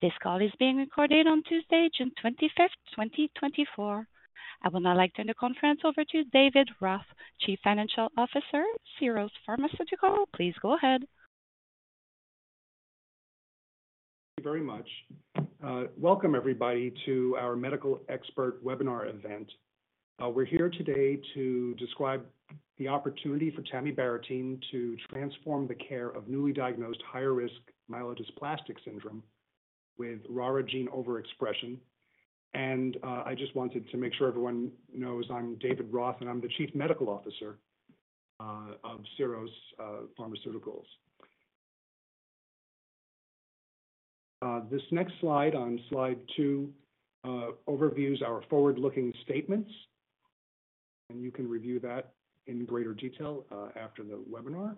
This call is being recorded on Tuesday, June 25th, 2024. I would now like to turn the conference over to David Roth, Chief Medical Officer, Syros Pharmaceuticals. Please go ahead. Thank you very much. Welcome everybody, to our medical expert webinar event. We're here today to describe the opportunity for tamibarotene to transform the care of newly diagnosed higher-risk myelodysplastic syndrome with RARA gene overexpression. I just wanted to make sure everyone knows I'm David Roth, and I'm the Chief Medical Officer of Syros Pharmaceuticals. This next slide, on slide two, overviews our forward-looking statements, and you can review that in greater detail after the webinar.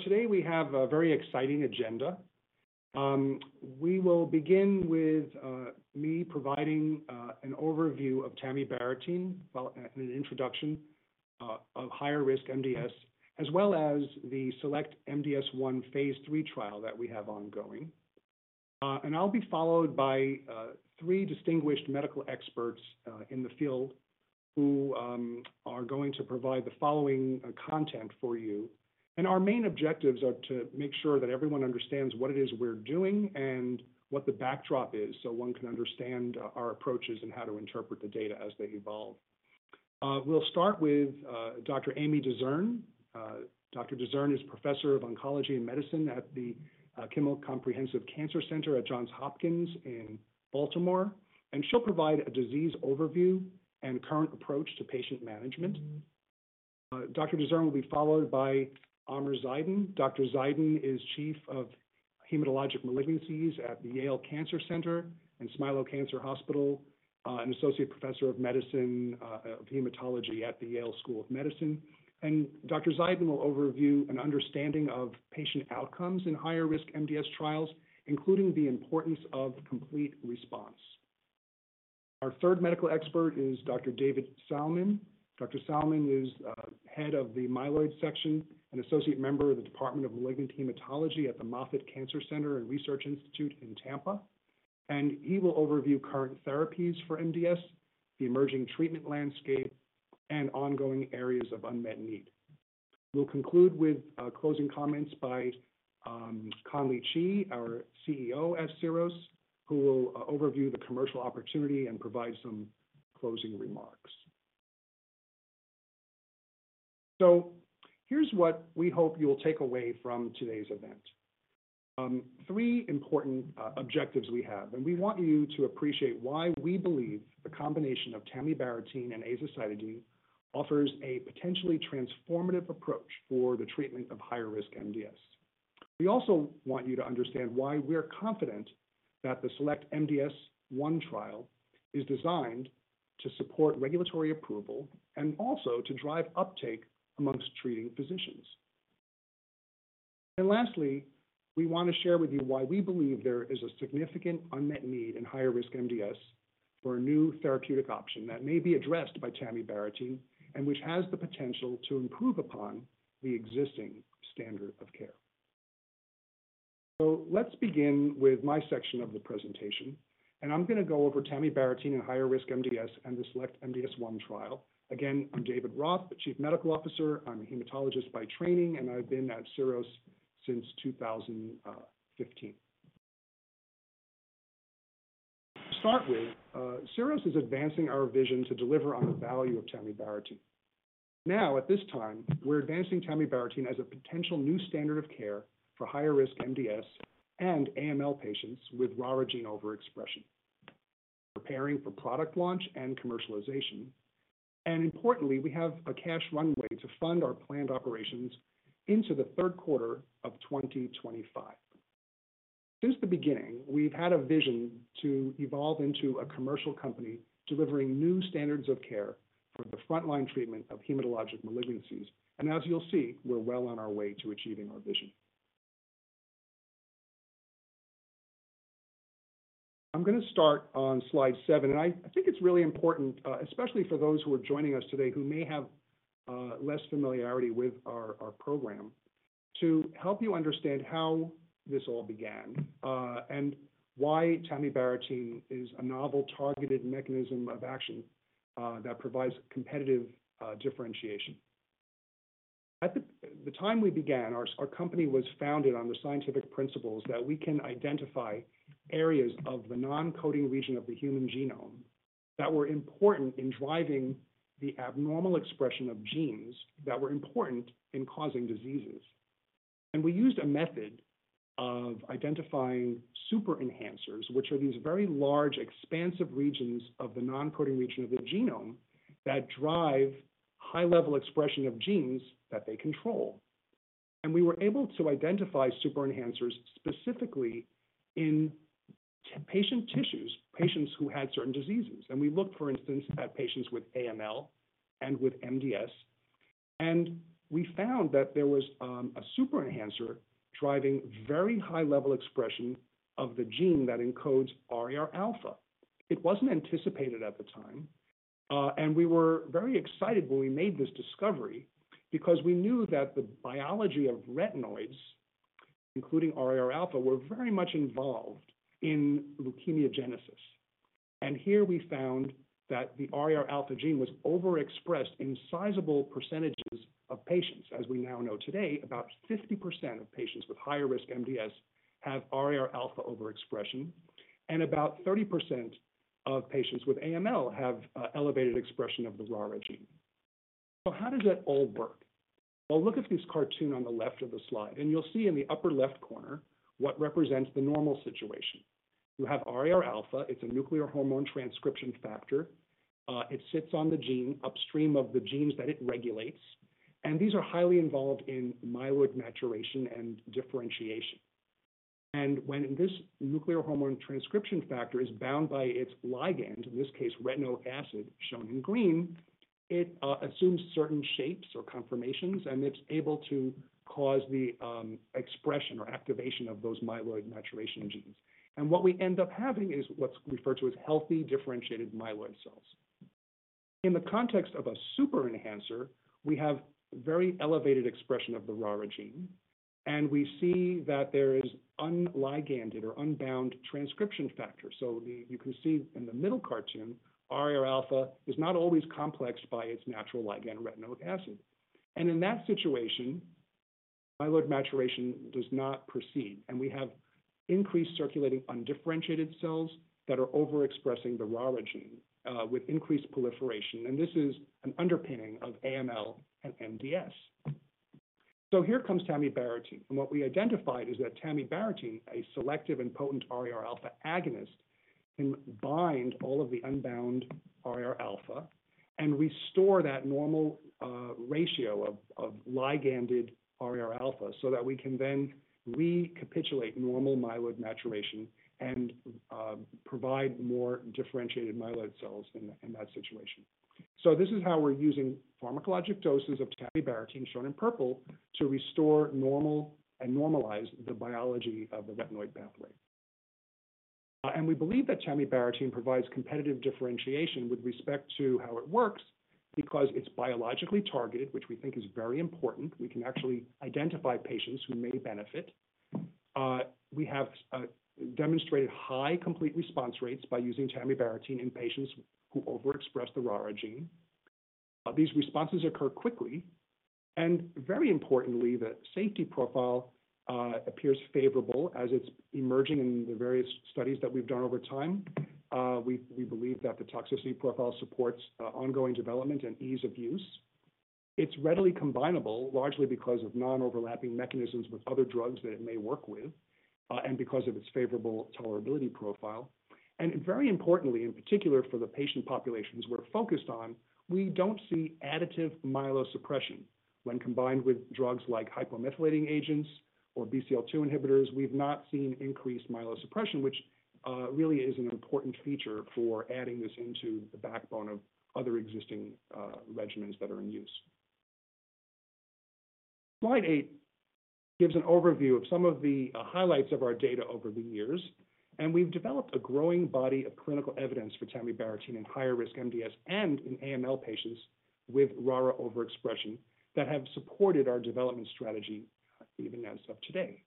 Today we have a very exciting agenda. We will begin with me providing an overview of tamibarotene, well, an introduction of higher-risk MDS, as well as the SELECT-MDS-1 phase III trial that we have ongoing. I'll be followed by three distinguished medical experts in the field who are going to provide the following content for you. Our main objectives are to make sure that everyone understands what it is we're doing and what the backdrop is, so one can understand our approaches and how to interpret the data as they evolve. We'll start with Dr. Amy DeZern. Dr. DeZern is Professor of Oncology and Medicine at the Kimmel Comprehensive Cancer Center at Johns Hopkins in Baltimore, and she'll provide a disease overview and current approach to patient management. Dr. DeZern will be followed by Amer Zeidan. Dr. Zeidan is Chief of Hematologic Malignancies at the Yale Cancer Center and Smilow Cancer Hospital, and Associate Professor of Medicine, Hematology at the Yale School of Medicine. And Dr. Zeidan will overview an understanding of patient outcomes in higher-risk MDS trials, including the importance of complete response. Our third medical expert is Dr. David Sallman. Dr. Sallman is Head of the Myeloid Section and Associate Member of the Department of Malignant Hematology at the Moffitt Cancer Center and Research Institute in Tampa. He will overview current therapies for MDS, the emerging treatment landscape, and ongoing areas of unmet need. We'll conclude with closing comments by Conley Chee, our CEO at Syros, who will overview the commercial opportunity and provide some closing remarks. So here's what we hope you'll take away from today's event. Three important objectives we have, and we want you to appreciate why we believe the combination of tamibarotene and azacitidine offers a potentially transformative approach for the treatment of higher-risk MDS. We also want you to understand why we're confident that the SELECT-MDS-1 trial is designed to support regulatory approval and also to drive uptake amongst treating physicians. And lastly, we want to share with you why we believe there is a significant unmet need in higher-risk MDS for a new therapeutic option that may be addressed by tamibarotene, and which has the potential to improve upon the existing standard of care. So let's begin with my section of the presentation, and I'm going to go over tamibarotene and higher-risk MDS and the SELECT-MDS-1 trial. Again, I'm David Roth, the Chief Medical Officer. I'm a hematologist by training, and I've been at Syros since 2015. To start with, Syros is advancing our vision to deliver on the value of tamibarotene. Now, at this time, we're advancing tamibarotene as a potential new standard of care for higher-risk MDS and AML patients with RARA gene overexpression. Preparing for product launch and commercialization, and importantly, we have a cash runway to fund our planned operations into the third quarter of 2025. Since the beginning, we've had a vision to evolve into a commercial company, delivering new standards of care for the frontline treatment of hematologic malignancies. And as you'll see, we're well on our way to achieving our vision. I'm going to start on slide seven, and I think it's really important, especially for those who are joining us today, who may have less familiarity with our program, to help you understand how this all began, and why tamibarotene is a novel, targeted mechanism of action that provides competitive differentiation. At the time we began, our company was founded on the scientific principles that we can identify areas of the non-coding region of the human genome that were important in driving the abnormal expression of genes that were important in causing diseases. We used a method of identifying super enhancers, which are these very large, expansive regions of the non-coding region of the genome that drive high-level expression of genes that they control. We were able to identify super enhancers, specifically in the patient tissues, patients who had certain diseases. We looked, for instance, at patients with AML and with MDS, and we found that there was a super enhancer driving very high-level expression of the gene that encodes RAR alpha. It wasn't anticipated at the time we were very excited when we made this discovery because we knew that the biology of retinoids, including RAR alpha, were very much involved in leukemogenesis. Here we found that the RAR alpha gene was overexpressed in sizable percentages of patients. As we now know today, about 50% of patients with higher-risk MDS have RAR alpha overexpression, and about 30% of patients with AML have elevated expression of the RARA gene. So how does that all work? Well, look at this cartoon on the left of the slide, and you'll see in the upper left corner what represents the normal situation. You have RAR alpha. It's a nuclear hormone transcription factor. It sits on the gene upstream of the genes that it regulates, and these are highly involved in myeloid maturation and differentiation. When this nuclear hormone transcription factor is bound by its ligand, in this case, retinoic acid, shown in green, it assumes certain shapes or conformations, and it's able to cause the expression or activation of those myeloid maturation genes. And what we end up having is what's referred to as healthy, differentiated myeloid cells. In the context of a super-enhancer, we have very elevated expression of the RARA gene, and we see that there is unliganded or unbound transcription factor. So you can see in the middle cartoon, RAR alpha is not always complex by its natural ligand, retinoic acid. And in that situation, myeloid maturation does not proceed, and we have increased circulating undifferentiated cells that are overexpressing the RARA gene with increased proliferation, and this is an underpinning of AML and MDS. So here comes tamibarotene, and what we identified is that tamibarotene, a selective and potent RAR alpha agonist, can bind all of the unbound RAR alpha and restore that normal ratio of liganded RAR alpha, so that we can then recapitulate normal myeloid maturation and provide more differentiated myeloid cells in that situation. So this is how we're using pharmacologic doses of tamibarotene, shown in purple, to restore normal and normalize the biology of the retinoid pathway. And we believe that tamibarotene provides competitive differentiation with respect to how it works because it's biologically targeted, which we think is very important. We can actually identify patients who may benefit. We have demonstrated high complete response rates by using tamibarotene in patients who overexpress the RARA gene. These responses occur quickly, and very importantly, the safety profile appears favorable as it's emerging in the various studies that we've done over time. We believe that the toxicity profile supports ongoing development and ease of use. It's readily combinable, largely because of non-overlapping mechanisms with other drugs that it may work with, and because of its favorable tolerability profile. And very importantly, in particular, for the patient populations we're focused on, we don't see additive myelosuppression when combined with drugs like hypomethylating agents or BCL-2 inhibitors. We've not seen increased myelosuppression, which really is an important feature for adding this into the backbone of other existing regimens that are in use. Slide eight gives an overview of some of the highlights of our data over the years, and we've developed a growing body of clinical evidence for tamibarotene in higher-risk MDS and in AML patients with RARA overexpression that have supported our development strategy even as of today.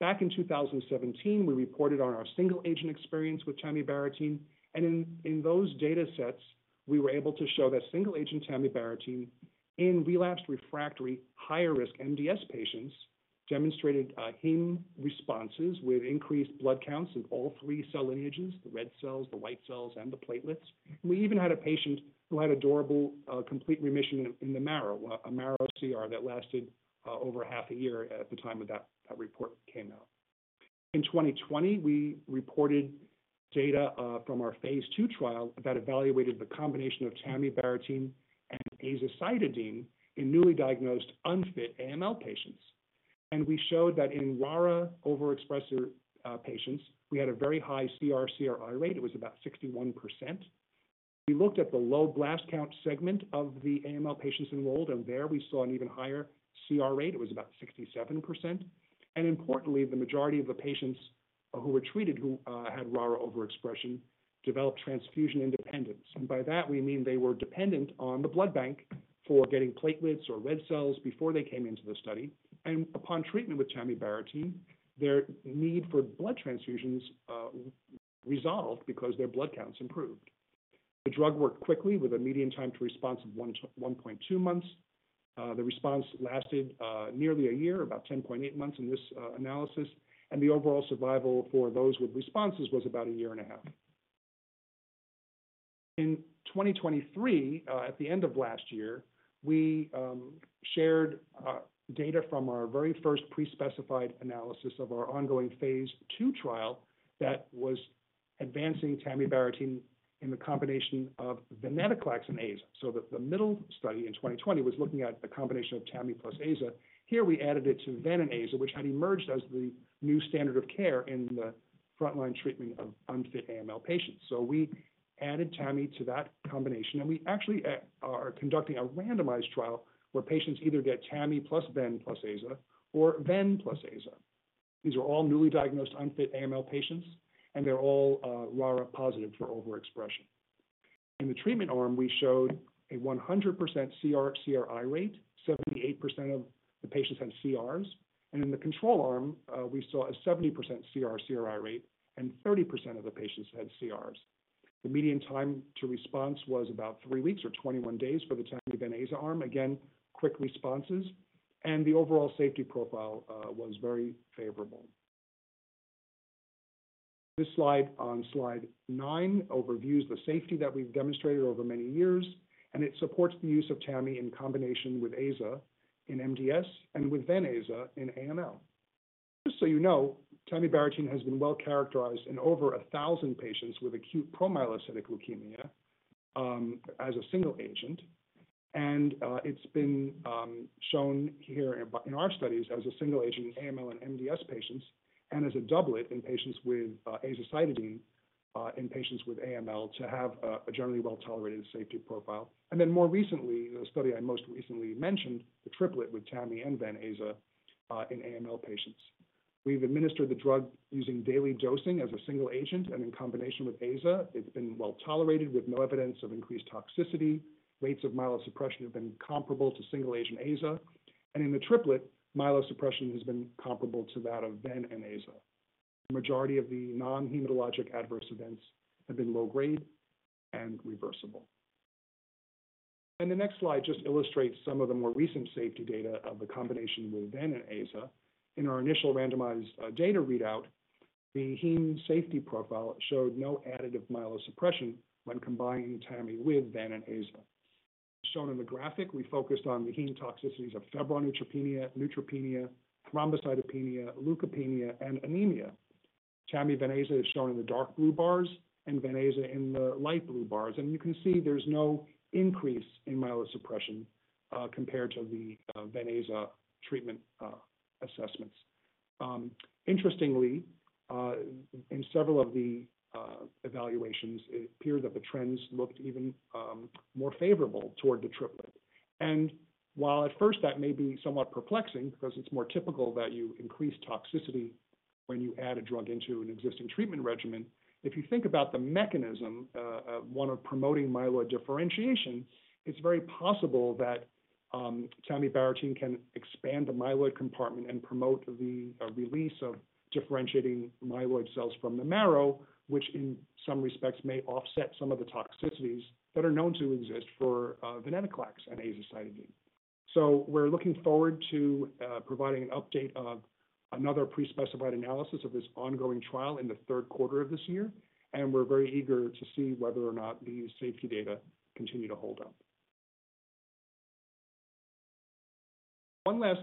Back in 2017, we reported on our single-agent experience with tamibarotene, and in those data sets, we were able to show that single-agent tamibarotene in relapsed/refractory higher-risk MDS patients demonstrated hematologic responses with increased blood counts in all three cell lineages: the red cells, the white cells, and the platelets. We even had a patient who had a durable complete remission in the marrow, a marrow CR that lasted over half a year at the time of that report came out. In 2020, we reported data from our phase II trial that evaluated the combination of tamibarotene and azacitidine in newly diagnosed unfit AML patients. We showed that in RARA overexpresser patients, we had a very high CR/CRi rate. It was about 61%. We looked at the low blast count segment of the AML patients enrolled, and there we saw an even higher CR rate. It was about 67%. Importantly, the majority of the patients who were treated, who had RARA overexpression, developed transfusion independence. By that we mean they were dependent on the blood bank for getting platelets or red cells before they came into the study. Upon treatment with tamibarotene, their need for blood transfusions resolved because their blood counts improved. The drug worked quickly with a median time to response of 1-1.2 months. The response lasted nearly a year, about 10.8 months in this analysis, and the overall survival for those with responses was about a year and a half. In 2023, at the end of last year, we shared data from our very first pre-specified analysis of our ongoing phase II trial that was advancing tamibarotene in the combination of venetoclax and AZA. So the middle study in 2020 was looking at the combination of tamibarotene plus AZA. Here we added it to VEN and AZA, which had emerged as the new standard of care in the frontline treatment of unfit AML patients. So we added Tami to that combination, and we actually are conducting a randomized trial where patients either get Tami plus VEN plus AZA or VEN plus AZA. These are all newly diagnosed unfit AML patients, and they're all RARA-positive for overexpression. In the treatment arm, we showed a 100% CR, CRi rate. 78% of the patients had CRs, and in the control arm, we saw a 70% CR, CRi rate, and 30% of the patients had CRs. The median time to response was about three weeks or 21 days for the Tami-VEN-AZA arm. Again, quick responses, and the overall safety profile was very favorable. This slide, on slide nine, overviews the safety that we've demonstrated over many years, and it supports the use of Tami in combination with AZA in MDS and with VEN-AZA in AML. Just so you know, tamibarotene has been well characterized in over 1,000 patients with acute promyelocytic leukemia as a single agent. It's been shown here in our studies as a single agent in AML and MDS patients, and as a doublet in patients with azacitidine in patients with AML, to have a generally well-tolerated safety profile. More recently, the study I most recently mentioned, the triplet with tamibarotene and venetoclax in AML patients. We've administered the drug using daily dosing as a single agent and in combination with AZA. It's been well-tolerated with no evidence of increased toxicity. Rates of myelosuppression have been comparable to single-agent AZA, and in the triplet, myelosuppression has been comparable to that of VEN and AZA. The majority of the non-hematologic adverse events have been low grade and reversible. The next slide just illustrates some of the more recent safety data of the combination with VEN and AZA. In our initial randomized data readout, the heme safety profile showed no additive myelosuppression when combining Tami with VEN and AZA. Shown in the graphic, we focused on the heme toxicities of febrile neutropenia, neutropenia, thrombocytopenia, leukopenia, and anemia. Tami VEN-AZA is shown in the dark blue bars and VEN-AZA in the light blue bars, and you can see there's no increase in myelosuppression compared to the VEN-AZA treatment assessments. Interestingly, in several of the evaluations, it appeared that the trends looked even more favorable toward the triplet. While at first that may be somewhat perplexing, because it's more typical that you increase toxicity when you add a drug into an existing treatment regimen, if you think about the mechanism of promoting myeloid differentiation, it's very possible that tamibarotene can expand the myeloid compartment and promote the release of differentiating myeloid cells from the marrow, which in some respects may offset some of the toxicities that are known to exist for venetoclax and azacitidine. So we're looking forward to providing an update of another pre-specified analysis of this ongoing trial in the third quarter of this year, and we're very eager to see whether or not these safety data continue to hold up. One last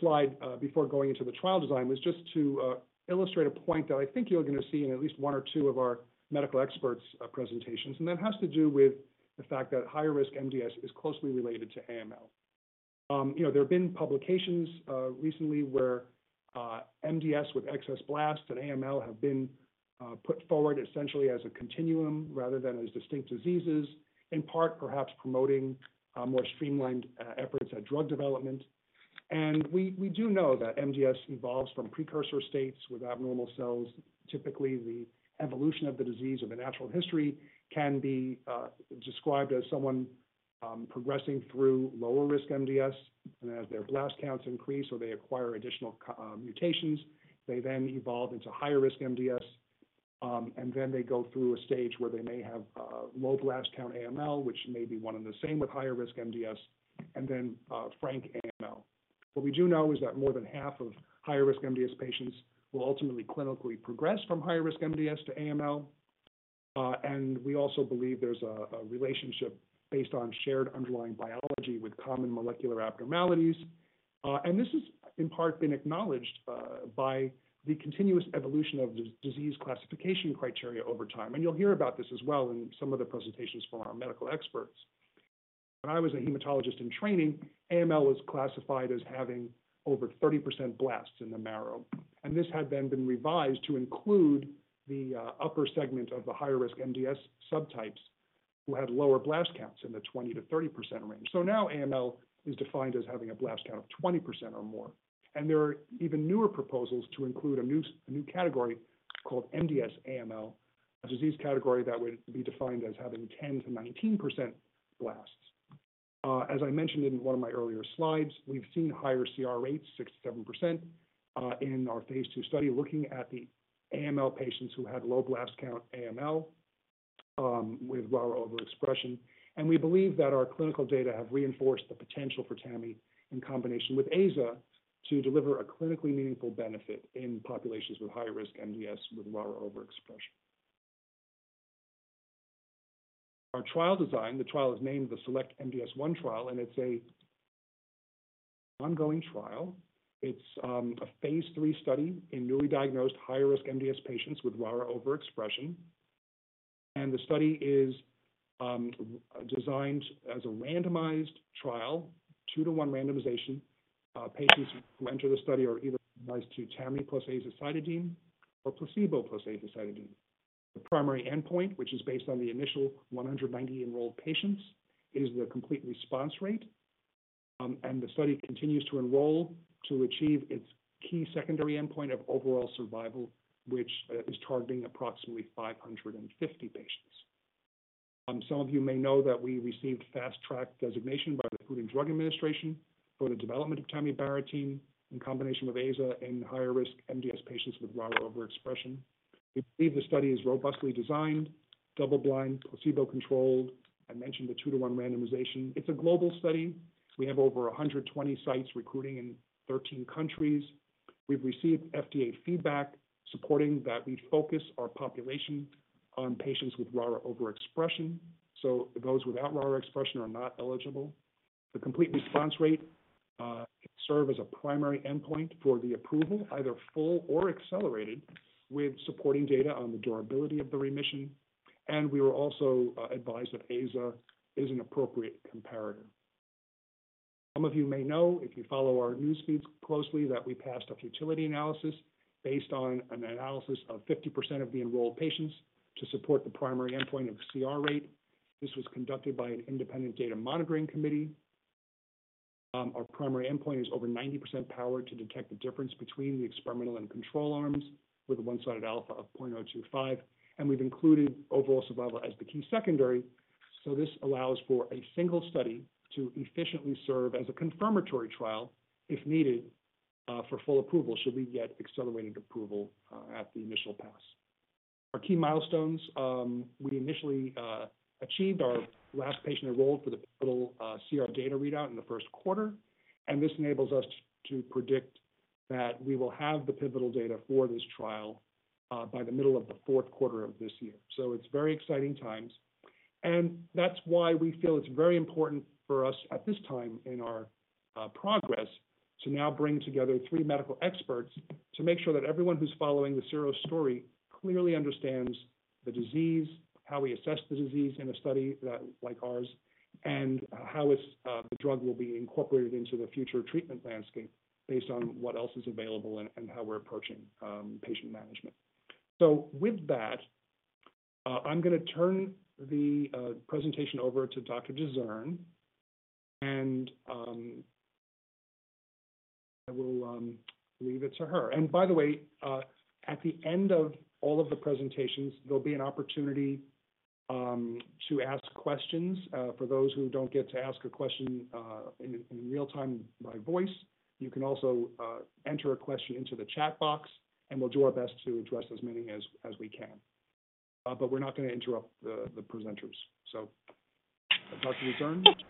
slide before going into the trial design was just to illustrate a point that I think you're going to see in at least one or two of our medical experts' presentations. And that has to do with the fact that higher-risk MDS is closely related to AML. You know, there have been publications recently where MDS with excess blasts and AML have been put forward essentially as a continuum rather than as distinct diseases, in part, perhaps promoting more streamlined efforts at drug development. And we do know that MDS evolves from precursor states with abnormal cells. Typically, the evolution of the disease or the natural history can be described as someone progressing through lower risk MDS, and as their blast counts increase or they acquire additional mutations, they then evolve into higher risk MDS. And then they go through a stage where they may have low blast count AML, which may be one and the same with higher risk MDS, and then frank AML. What we do know is that more than half of higher risk MDS patients will ultimately clinically progress from higher risk MDS to AML. And we also believe there's a relationship based on shared underlying biology with common molecular abnormalities. This is, in part, been acknowledged by the continuous evolution of disease classification criteria over time, and you'll hear about this as well in some of the presentations from our medical experts. When I was a hematologist in training, AML was classified as having over 30% blasts in the marrow, and this had then been revised to include the upper segment of the higher risk MDS subtypes, who had lower blast counts in the 20%-30% range. So now AML is defined as having a blast count of 20% or more, and there are even newer proposals to include a new category called MDS-AML, a disease category that would be defined as having 10%-19% blasts. As I mentioned in one of my earlier slides, we've seen higher CR rates, 6%-7%, in our phase II study, looking at the AML patients who had low blast count AML with RARA overexpression. And we believe that our clinical data have reinforced the potential for tamibarotene, in combination with AZA, to deliver a clinically meaningful benefit in populations with high risk MDS with RARA overexpression. Our trial design, the trial is named the SELECT-MDS-1 trial, and it's an ongoing trial. It's a phase III study in newly diagnosed higher risk MDS patients with RARA overexpression. And the study is designed as a randomized trial, 2-to-1 randomization. Patients who enter the study are either randomized to tamibarotene plus azacitidine or placebo plus azacitidine. The primary endpoint, which is based on the initial 190 enrolled patients, is the complete response rate, and the study continues to enroll to achieve its key secondary endpoint of overall survival, which is targeting approximately 550 patients. Some of you may know that we received Fast Track designation by the Food and Drug Administration for the development of tamibarotene in combination with AZA in higher-risk MDS patients with RARA overexpression. We believe the study is robustly designed, double-blind, placebo-controlled. I mentioned the 2-to-1 randomization. It's a global study. We have over 120 sites recruiting in 13 countries. We've received FDA feedback supporting that we focus our population on patients with RARA overexpression, so those without RARA expression are not eligible. The complete response rate serve as a primary endpoint for the approval, either full or accelerated, with supporting data on the durability of the remission, and we were also advised that AZA is an appropriate comparator. Some of you may know, if you follow our news feeds closely, that we passed a futility analysis based on an analysis of 50% of the enrolled patients to support the primary endpoint of CR rate. This was conducted by an independent data monitoring committee. Our primary endpoint is over 90% power to detect the difference between the experimental and control arms with a one-sided alpha of 0.025, and we've included overall survival as the key secondary, so this allows for a single study to efficiently serve as a confirmatory trial if needed, for full approval, should we get accelerated approval, at the initial pass. Our key milestones. We initially achieved our last patient enrolled for the pivotal CR data readout in the first quarter, and this enables us to predict that we will have the pivotal data for this trial, by the middle of the fourth quarter of this year. So it's very exciting times, and that's why we feel it's very important for us at this time in our progress, to now bring together three medical experts to make sure that everyone who's following the Syros story clearly understands the disease, how we assess the disease in a study like ours, and how the drug will be incorporated into the future treatment landscape based on what else is available and how we're approaching patient management. So with that, I'm gonna turn the presentation over to Dr. DeZern, and I will leave it to her. And by the way, at the end of all of the presentations, there'll be an opportunity to ask questions. For those who don't get to ask a question in real-time by voice, you can also enter a question into the chat box, and we'll do our best to address as many as we can. But we're not gonna interrupt the presenters. So, Dr. DeZern? Thank you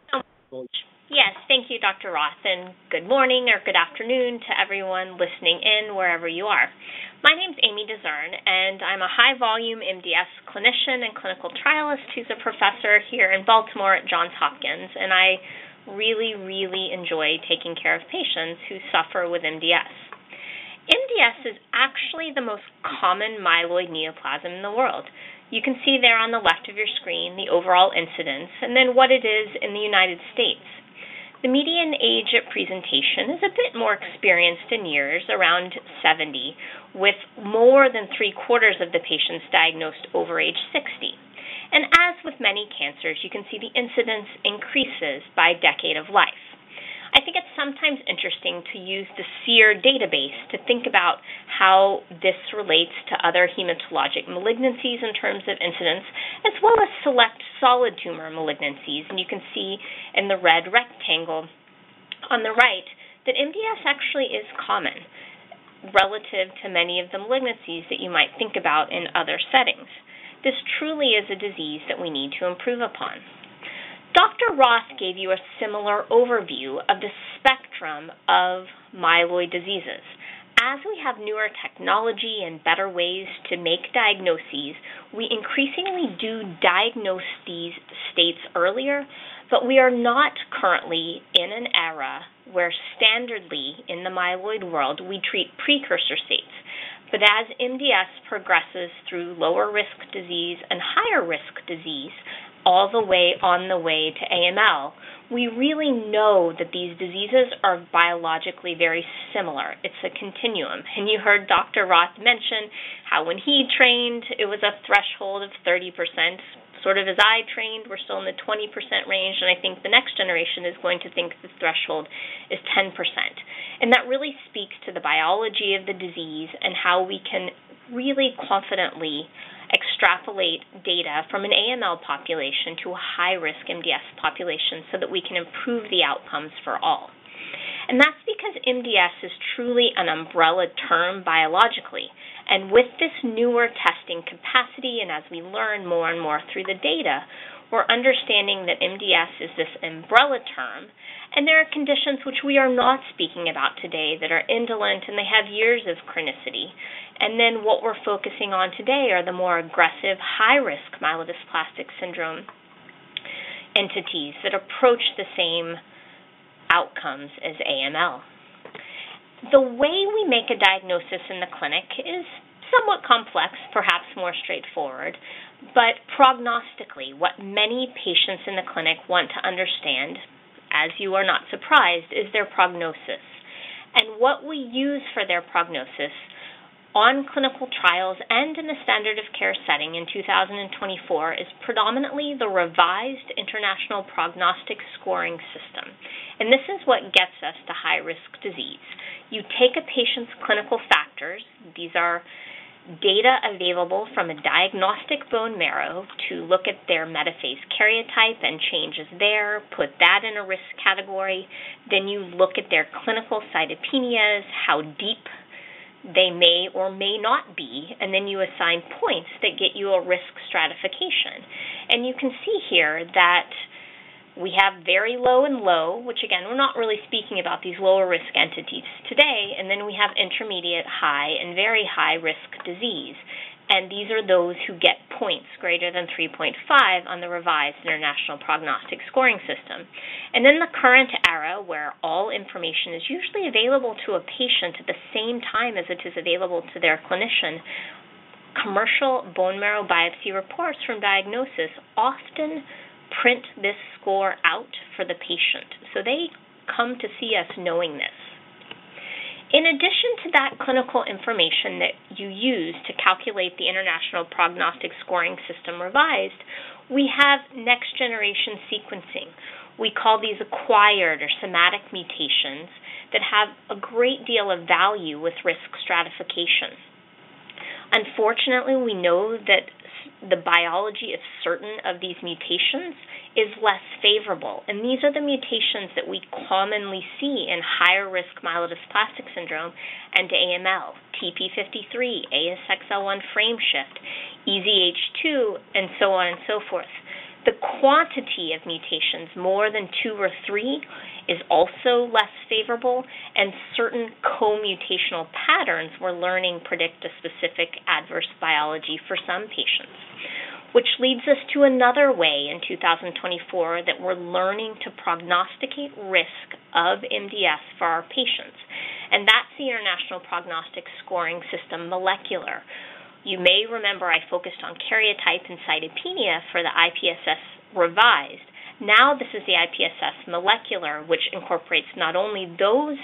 so much. Yes, thank you, Dr. Roth, and good morning or good afternoon to everyone listening in, wherever you are. My name is Amy DeZern, and I'm a high-volume MDS clinician and clinical trialist who's a professor here in Baltimore at Johns Hopkins, and I really, really enjoy taking care of patients who suffer with MDS. MDS is actually the most common myeloid neoplasm in the world. You can see there on the left of your screen the overall incidence and then what it is in the United States. The median age at presentation is a bit more experienced in years, around 70, with more than three-quarters of the patients diagnosed over age 60. And as with many cancers, you can see the incidence increases by decade of life. I think it's sometimes interesting to use the SEER database to think about how this relates to other hematologic malignancies in terms of incidence, as well as select solid tumor malignancies. You can see in the red rectangle on the right that MDS actually is common relative to many of the malignancies that you might think about in other settings. This truly is a disease that we need to improve upon. Dr. Roth gave you a similar overview of the spectrum of myeloid diseases. As we have newer technology and better ways to make diagnoses, we increasingly do diagnose these states earlier, but we are not currently in an era where standardly in the myeloid world, we treat precursor states. But as MDS progresses through lower risk disease and higher risk disease, all the way on the way to AML, we really know that these diseases are biologically very similar. It's a continuum. And you heard Dr. Roth mention how when he trained, it was a threshold of 30%, sort of as I trained, we're still in the 20% range, and I think the next generation is going to think the threshold is 10%. And that really speaks to the biology of the disease and how we can really confidently extrapolate data from an AML population to a high-risk MDS population so that we can improve the outcomes for all. And that's because MDS is truly an umbrella term biologically. With this newer testing capacity, and as we learn more and more through the data, we're understanding that MDS is this umbrella term, and there are conditions which we are not speaking about today that are indolent, and they have years of chronicity. Then what we're focusing on today are the more aggressive, high-risk myelodysplastic syndrome entities that approach the same outcomes as AML. The way we make a diagnosis in the clinic is somewhat complex, perhaps more straightforward, but prognostically, what many patients in the clinic want to understand, as you are not surprised, is their prognosis. What we use for their prognosis on clinical trials and in the standard of care setting in 2024 is predominantly the Revised International Prognostic Scoring System, and this is what gets us to high-risk disease. You take a patient's clinical factors, these are data available from a diagnostic bone marrow to look at their metaphase karyotype and changes there, put that in a risk category. Then you look at their clinical cytopenias, how deep they may or may not be, and then you assign points that get you a risk stratification. And you can see here that we have very low and low, which, again, we're not really speaking about these lower-risk entities today, and then we have intermediate, high, and very high-risk disease, and these are those who get points greater than 3.5 on the Revised International Prognostic Scoring System. In the current era, where all information is usually available to a patient at the same time as it is available to their clinician, commercial bone marrow biopsy reports from diagnosis often print this score out for the patient, so they come to see us knowing this. In addition to that clinical information that you use to calculate the International Prognostic Scoring System-Revised, we have next-generation sequencing. We call these acquired or somatic mutations that have a great deal of value with risk stratification. Unfortunately, we know that the biology of certain of these mutations is less favorable, and these are the mutations that we commonly see in higher-risk myelodysplastic syndromes and AML, TP53, ASXL1 frameshift, EZH2, and so on and so forth. The quantity of mutations, more than 2 or 3, is also less favorable, and certain co-mutational patterns we're learning predict a specific adverse biology for some patients. Which leads us to another way in 2024 that we're learning to prognosticate risk of MDS for our patients, and that's the International Prognostic Scoring System-Molecular. You may remember I focused on karyotype and cytopenia for the IPSS-Revised. Now, this is the IPSS-Molecular, which incorporates not only those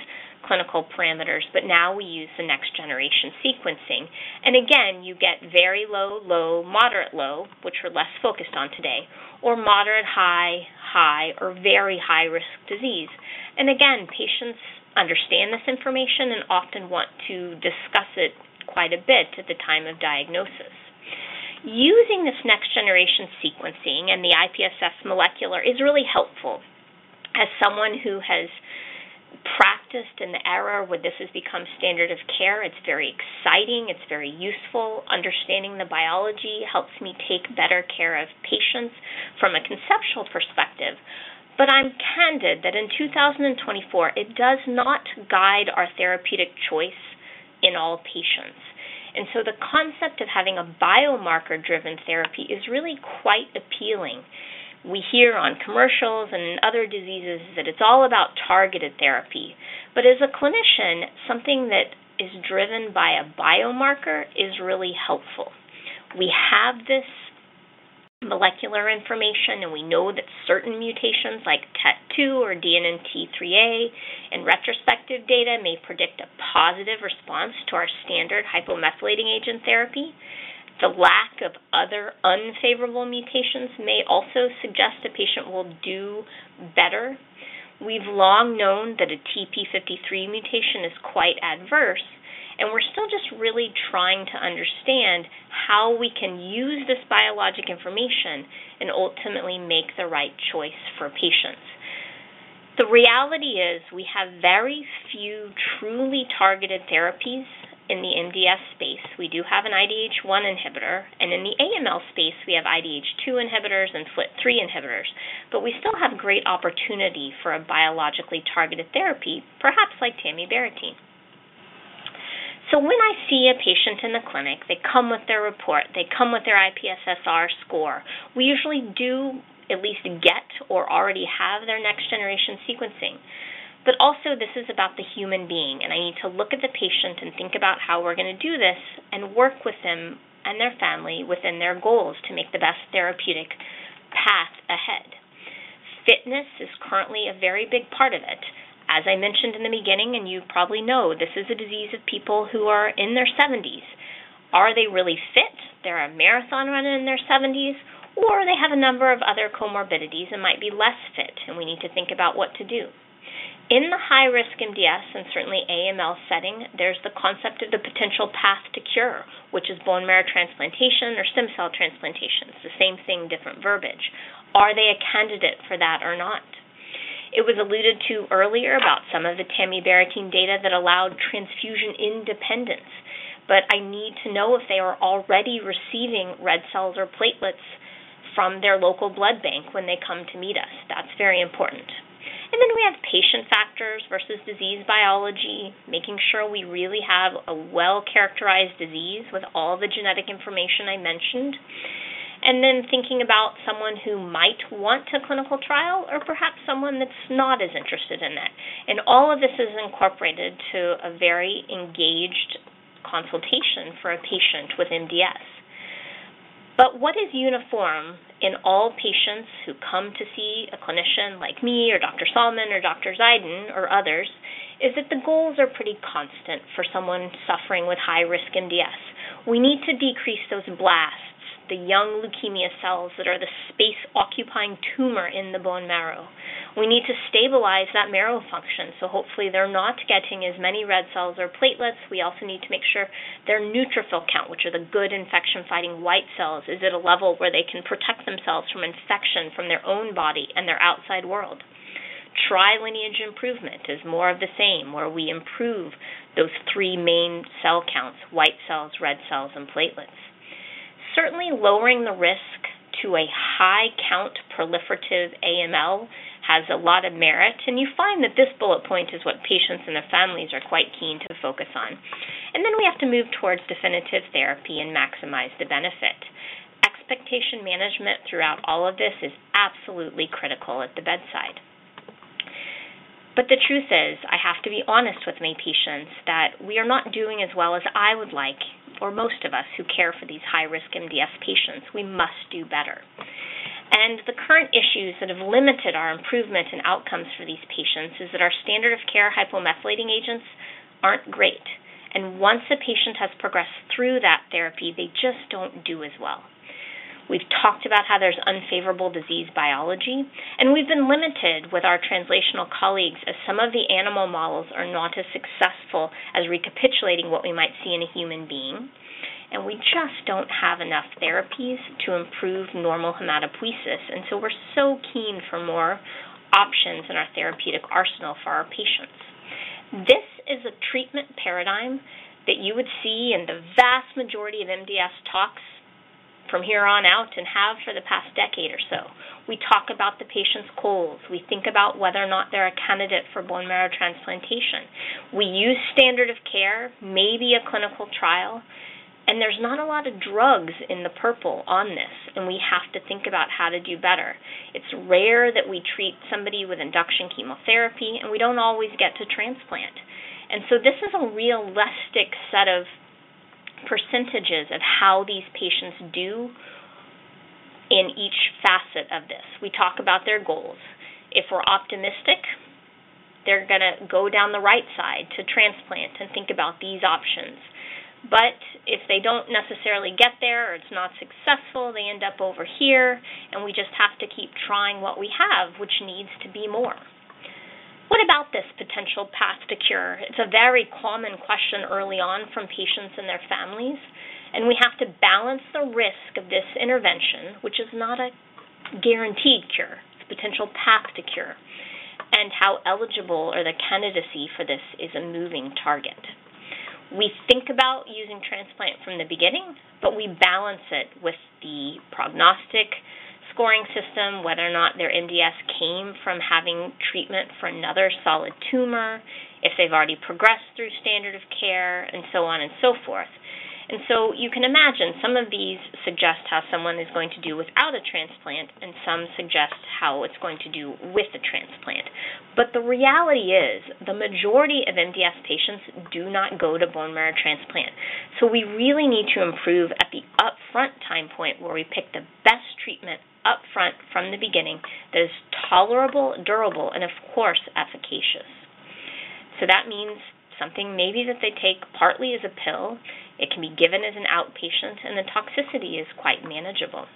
clinical parameters, but now we use the next-generation sequencing. And again, you get very low, low, moderate-low, which we're less focused on today, or moderate-high, high, or very high-risk disease. And again, patients understand this information and often want to discuss it quite a bit at the time of diagnosis. Using this next-generation sequencing and the IPSS-Molecular is really helpful. As someone who has practiced in the era where this has become standard of care, it's very exciting, it's very useful. Understanding the biology helps me take better care of patients from a conceptual perspective. But I'm candid that in 2024, it does not guide our therapeutic choice in all patients. And so the concept of having a biomarker-driven therapy is really quite appealing. We hear on commercials and in other diseases that it's all about targeted therapy, but as a clinician, something that is driven by a biomarker is really helpful. We have this molecular information, and we know that certain mutations, like TET2 or DNMT3A in retrospective data, may predict a positive response to our standard hypomethylating agent therapy. The lack of other unfavorable mutations may also suggest a patient will do better. We've long known that a TP53 mutation is quite adverse, and we're still just really trying to understand how we can use this biologic information and ultimately make the right choice for patients. The reality is we have very few truly targeted therapies in the MDS space. We do have an IDH1 inhibitor, and in the AML space, we have IDH2 inhibitors and FLT3 inhibitors. But we still have great opportunity for a biologically targeted therapy, perhaps like tamibarotene. So when I see a patient in the clinic, they come with their report, they come with their IPSS-R score. We usually do at least get or already have their next-generation sequencing. But also, this is about the human being, and I need to look at the patient and think about how we're going to do this and work with them and their family within their goals to make the best therapeutic path ahead. Fitness is currently a very big part of it. As I mentioned in the beginning, and you probably know, this is a disease of people who are in their seventies. Are they really fit? They're a marathon runner in their seventies, or they have a number of other comorbidities and might be less fit, and we need to think about what to do. In the high-risk MDS, and certainly AML setting, there's the concept of the potential path to cure, which is bone marrow transplantation or stem cell transplantations. The same thing, different verbiage. Are they a candidate for that or not? It was alluded to earlier about some of the tamibarotene data that allowed transfusion independence, but I need to know if they are already receiving red cells or platelets from their local blood bank when they come to meet us. That's very important. And then we have patient factors versus disease biology, making sure we really have a well-characterized disease with all the genetic information I mentioned, and then thinking about someone who might want a clinical trial or perhaps someone that's not as interested in it. And all of this is incorporated to a very engaged consultation for a patient with MDS. But what is uniform in all patients who come to see a clinician like me or Dr. Sallman or Dr. Zeidan or others, is that the goals are pretty constant for someone suffering with high-risk MDS. We need to decrease those blasts, the young leukemia cells that are the space-occupying tumor in the bone marrow. We need to stabilize that marrow function, so hopefully, they're not getting as many red cells or platelets. We also need to make sure their neutrophil count, which are the good infection-fighting white cells, is at a level where they can protect themselves from infection from their own body and their outside world. Tri-lineage improvement is more of the same, where we improve those three main cell counts: white cells, red cells, and platelets. Certainly, lowering the risk to a high count proliferative AML has a lot of merit, and you find that this bullet point is what patients and their families are quite keen to focus on. Then we have to move towards definitive therapy and maximize the benefit. Expectation management throughout all of this is absolutely critical at the bedside. But the truth is, I have to be honest with my patients, that we are not doing as well as I would like for most of us who care for these high-risk MDS patients. We must do better. The current issues that have limited our improvement and outcomes for these patients is that our standard of care hypomethylating agents aren't great, and once a patient has progressed through that therapy, they just don't do as well. We've talked about how there's unfavorable disease biology, and we've been limited with our translational colleagues, as some of the animal models are not as successful as recapitulating what we might see in a human being, and we just don't have enough therapies to improve normal hematopoiesis. We're so keen for more options in our therapeutic arsenal for our patients. This is a treatment paradigm that you would see in the vast majority of MDS talks from here on out and have for the past decade or so. We talk about the patient's goals. We think about whether or not they're a candidate for bone marrow transplantation. We use standard of care, maybe a clinical trial, and there's not a lot of drugs in the purple on this, and we have to think about how to do better. It's rare that we treat somebody with induction chemotherapy, and we don't always get to transplant. This is a realistic set of percentages of how these patients do in each facet of this. We talk about their goals. If we're optimistic, they're going to go down the right side to transplant and think about these options. But if they don't necessarily get there or it's not successful, they end up over here, and we just have to keep trying what we have, which needs to be more. What about this potential path to cure? It's a very common question early on from patients and their families, and we have to balance the risk of this intervention, which is not a guaranteed cure, it's a potential path to cure, and how eligible or the candidacy for this is a moving target. We think about using transplant from the beginning, but we balance it with the prognostic scoring system, whether or not their MDS came from having treatment for another solid tumor, if they've already progressed through standard of care, and so on and so forth. And so you can imagine, some of these suggest how someone is going to do without a transplant, and some suggest how it's going to do with a transplant. But the reality is, the majority of MDS patients do not go to bone marrow transplant. So we really need to improve at the upfront time point where we pick the best treatment upfront from the beginning that is tolerable, durable, and of course, efficacious. So that means something maybe that they take partly as a pill, it can be given as an outpatient, and the toxicity is quite manageable.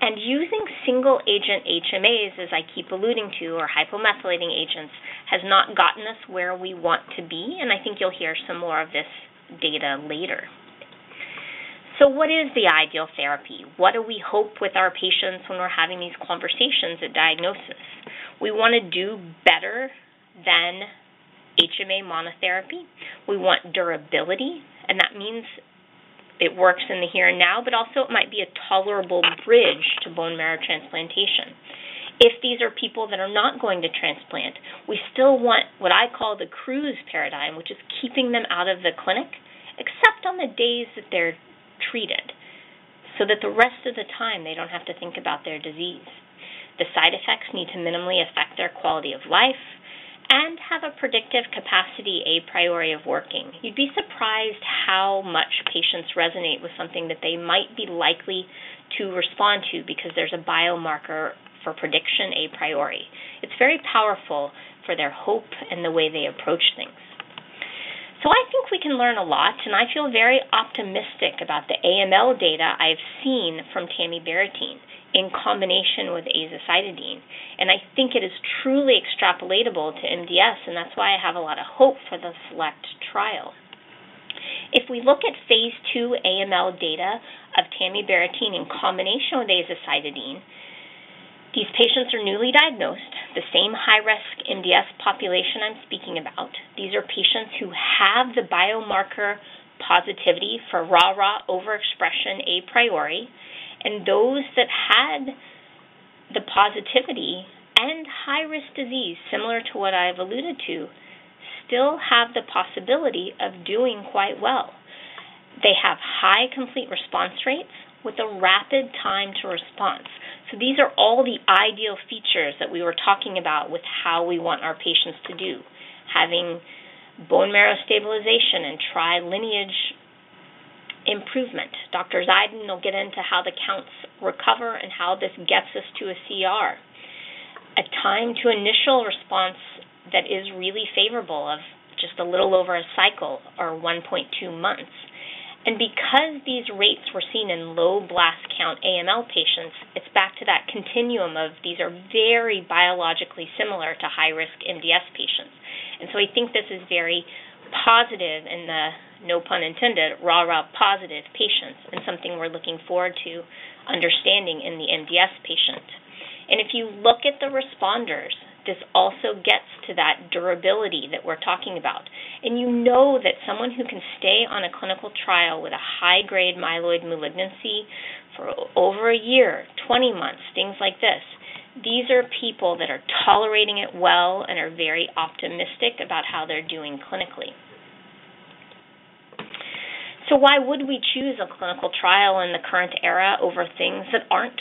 And using single-agent HMAs, as I keep alluding to, or hypomethylating agents, has not gotten us where we want to be, and I think you'll hear some more of this data later. So what is the ideal therapy? What do we hope with our patients when we're having these conversations at diagnosis? We want to do better than HMA monotherapy. We want durability, and that means it works in the here and now, but also it might be a tolerable bridge to bone marrow transplantation. If these are people that are not going to transplant, we still want what I call the cruise paradigm, which is keeping them out of the clinic, except on the days that they're treated, so that the rest of the time, they don't have to think about their disease. The side effects need to minimally affect their quality of life and have a predictive capacity, a priori of working. You'd be surprised how much patients resonate with something that they might be likely to respond to because there's a biomarker for prediction a priori. It's very powerful for their hope and the way they approach things. So I think we can learn a lot, and I feel very optimistic about the AML data I've seen from tamibarotene in combination with azacitidine, and I think it is truly extrapolatable to MDS, and that's why I have a lot of hope for the SELECT trial. If we look at phase II AML data of tamibarotene in combination with azacitidine, these patients are newly diagnosed, the same high-risk MDS population I'm speaking about. These are patients who have the biomarker positivity for RARA overexpression a priori, and those that had the positivity and high-risk disease, similar to what I've alluded to, still have the possibility of doing quite well. They have high complete response rates with a rapid time to response. So these are all the ideal features that we were talking about with how we want our patients to do, having bone marrow stabilization and tri-lineage improvement. Dr. Zeidan will get into how the counts recover and how this gets us to a CR. A time to initial response that is really favorable of just a little over a cycle or 1.2 months. And because these rates were seen in low blast count AML patients, it's back to that continuum of these are very biologically similar to high-risk MDS patients. And so I think this is very positive in the, no pun intended, rah, rah, positive patients, and something we're looking forward to understanding in the MDS patients. And if you look at the responders, this also gets to that durability that we're talking about. You know that someone who can stay on a clinical trial with a high-grade myeloid malignancy for over a year, 20 months, things like this, these are people that are tolerating it well and are very optimistic about how they're doing clinically. So why would we choose a clinical trial in the current era over things that aren't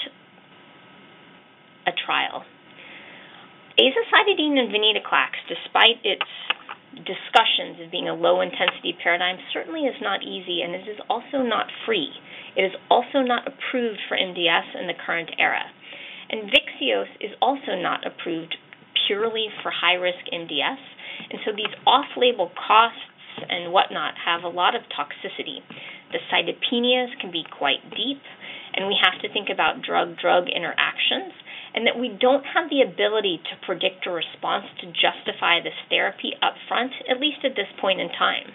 a trial? Azacitidine and venetoclax, despite its discussions as being a low-intensity paradigm, certainly is not easy, and this is also not free. It is also not approved for MDS in the current era. Vyxeos is also not approved purely for high-risk MDS, and so these off-label costs and what not have a lot of toxicity. The cytopenias can be quite deep, and we have to think about drug-drug interactions, and that we don't have the ability to predict a response to justify this therapy upfront, at least at this point in time.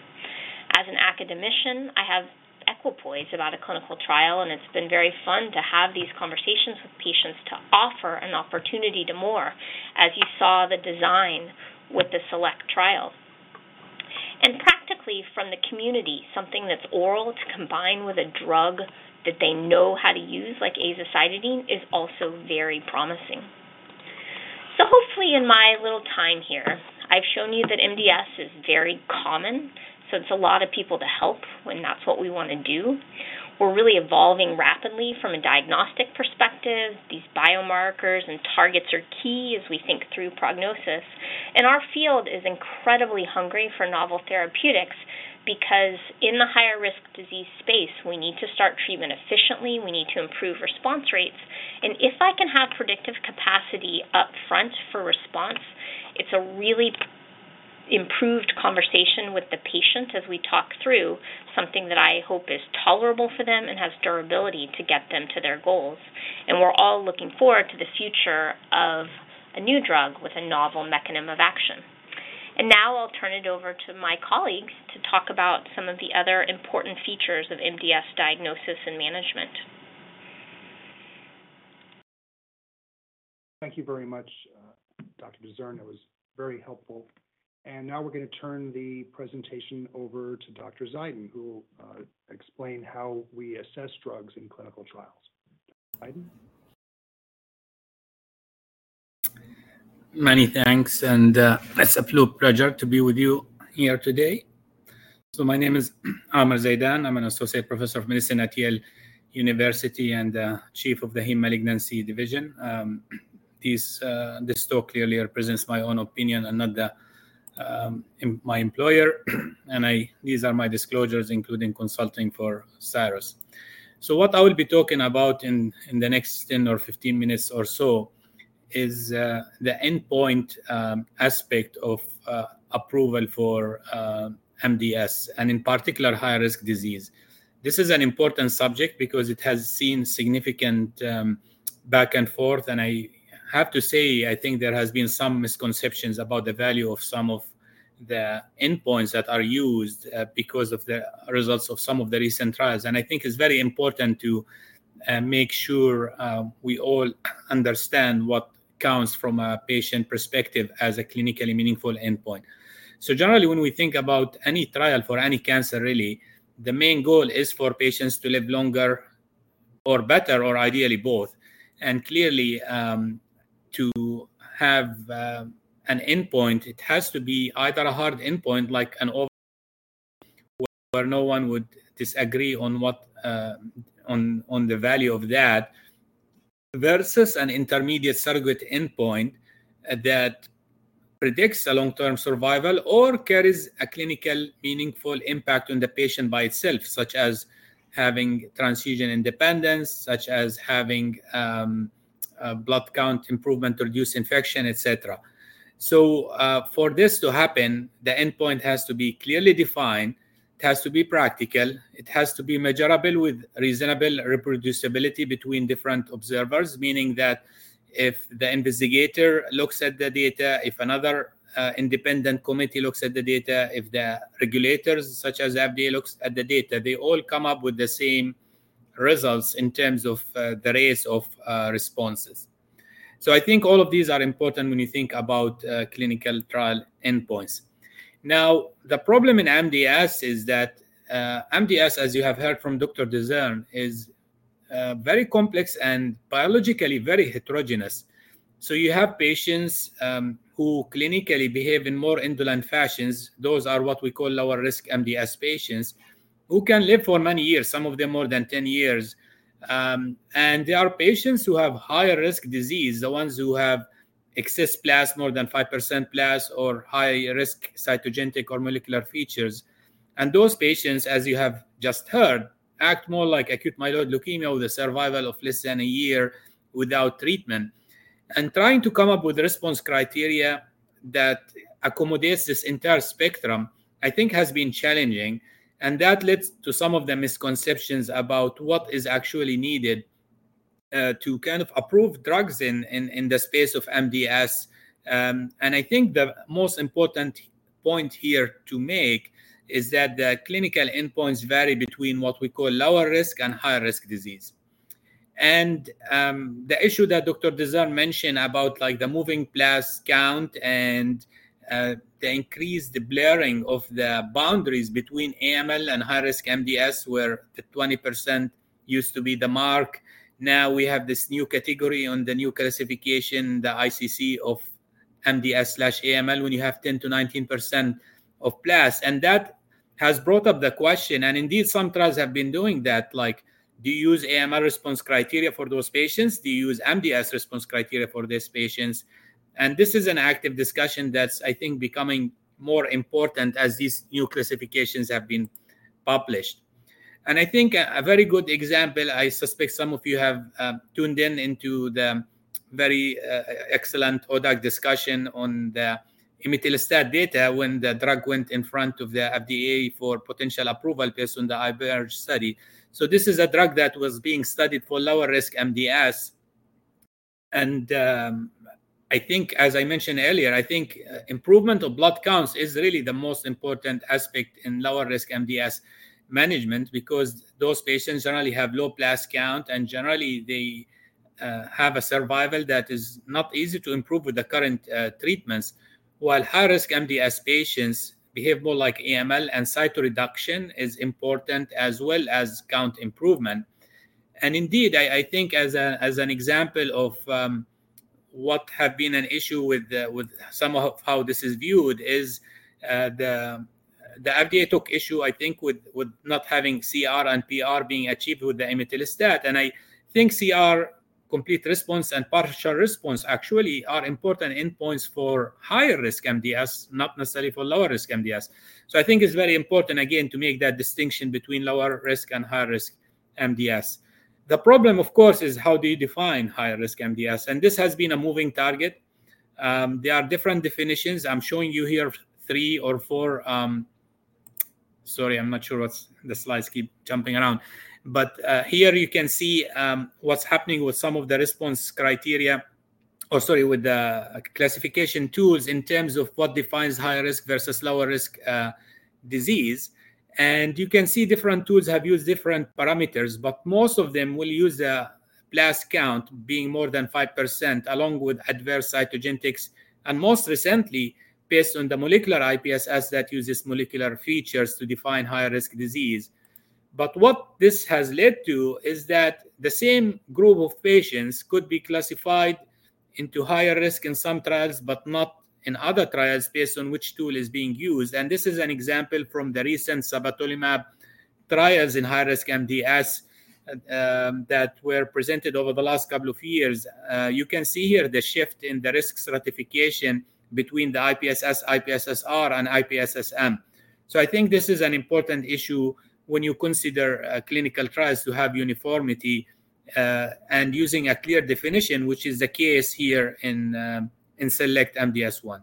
As an academician, I have equipoise about a clinical trial, and it's been very fun to have these conversations with patients to offer an opportunity to more, as you saw the design with the SELECT trial. Practically, from the community, something that's oral, it's combined with a drug that they know how to use, like azacitidine, is also very promising. Hopefully in my little time here, I've shown you that MDS is very common, so it's a lot of people to help when that's what we want to do. We're really evolving rapidly from a diagnostic perspective. These biomarkers and targets are key as we think through prognosis. Our field is incredibly hungry for novel therapeutics because in the higher risk disease space, we need to start treatment efficiently, we need to improve response rates. If I can have predictive capacity upfront for response, it's a really improved conversation with the patient as we talk through something that I hope is tolerable for them and has durability to get them to their goals. We're all looking forward to the future of a new drug with a novel mechanism of action. Now I'll turn it over to my colleagues to talk about some of the other important features of MDS diagnosis and management. Thank you very much, Dr. DeZern. That was very helpful. And now we're going to turn the presentation over to Dr. Zeidan, who will explain how we assess drugs in clinical trials. Zeidan? Many thanks, and, it's a pleasure to be with you here today. So my name is Amer Zeidan. I'm an Associate Professor of Medicine at Yale University and, Chief of the Hematologic Malignancy Division. This talk clearly represents my own opinion and not the, my employer. These are my disclosures, including consulting for Syros. So what I will be talking about in the next 10 or 15 minutes or so is the endpoint aspect of approval for MDS, and in particular, high-risk disease. This is an important subject because it has seen significant, back and forth, and I have to say, I think there has been some misconceptions about the value of some of the endpoints that are used, because of the results of some of the recent trials. I think it's very important to make sure we all understand what counts from a patient perspective as a clinically meaningful endpoint. Generally, when we think about any trial for any cancer, really, the main goal is for patients to live longer or better, or ideally both. Clearly, to have an endpoint, it has to be either a hard endpoint, like an outcome where no one would disagree on what on the value of that, versus an intermediate surrogate endpoint that predicts a long-term survival or carries a clinically meaningful impact on the patient by itself, such as having transfusion independence, such as having a blood count improvement, reduced infection, etc. So, for this to happen, the endpoint has to be clearly defined, it has to be practical, it has to be measurable with reasonable reproducibility between different observers, meaning that if the investigator looks at the data, if another, independent committee looks at the data, if the regulators, such as FDA, looks at the data, they all come up with the same results in terms of, the rates of, responses. So I think all of these are important when you think about, clinical trial endpoints. Now, the problem in MDS is that, MDS, as you have heard from Dr. DeZern, is, very complex and biologically very heterogeneous. So you have patients, who clinically behave in more indolent fashions. Those are what we call lower-risk MDS patients who can live for many years, some of them more than 10 years. There are patients who have higher risk disease, the ones who have excess blast, more than 5% blast, or high risk cytogenetic or molecular features. And those patients, as you have just heard, act more like acute myeloid leukemia, with a survival of less than a year without treatment. Trying to come up with response criteria that accommodates this entire spectrum, I think has been challenging, and that leads to some of the misconceptions about what is actually needed to kind of approve drugs in the space of MDS. I think the most important point here to make is that the clinical endpoints vary between what we call lower risk and high risk disease. The issue that Dr. David mentioned about, like, the moving blast count and the increased blurring of the boundaries between AML and high-risk MDS, where the 20% used to be the mark. Now we have this new category on the new classification, the ICC of MDS/AML, when you have 10%-19% of blast. And that has brought up the question, and indeed, some trials have been doing that. Like, do you use AML response criteria for those patients? Do you use MDS response criteria for these patients? And this is an active discussion that's, I think, becoming more important as these new classifications have been published. I think a very good example, I suspect some of you have tuned into the very excellent ODAC discussion on the imetelstat data when the drug went in front of the FDA for potential approval based on the IMerge study. So this is a drug that was being studied for lower risk MDS, and I think as I mentioned earlier, I think improvement of blood counts is really the most important aspect in lower risk MDS management because those patients generally have low blast count, and generally, they have a survival that is not easy to improve with the current treatments. While high-risk MDS patients behave more like AML and cytoreduction is important as well as count improvement. Indeed, I think as an example of what have been an issue with some of how this is viewed is the FDA took issue, I think, with not having CR and PR being achieved with the imetelstat. And I think CR, complete response and partial response, actually are important endpoints for higher risk MDS, not necessarily for lower risk MDS. So I think it's very important, again, to make that distinction between lower risk and high risk MDS. The problem, of course, is how do you define high risk MDS? And this has been a moving target. There are different definitions. I'm showing you here three or four sorry, I'm not sure what's the slides keep jumping around. But here you can see what's happening with some of the response criteria, or sorry, with the classification tools in terms of what defines high risk versus lower risk disease. And you can see different tools have used different parameters, but most of them will use a blast count being more than 5%, along with adverse cytogenetics, and most recently, based on the molecular IPSS that uses molecular features to define high risk disease. But what this has led to is that the same group of patients could be classified into higher risk in some trials, but not in other trials, based on which tool is being used. And this is an example from the recent sabatolimab trials in high-risk MDS that were presented over the last couple of years. You can see here the shift in the risk stratification between the IPSS, IPSS-R, and IPSS-M. So I think this is an important issue when you consider clinical trials to have uniformity, and using a clear definition, which is the case here in SELECT-MDS-1.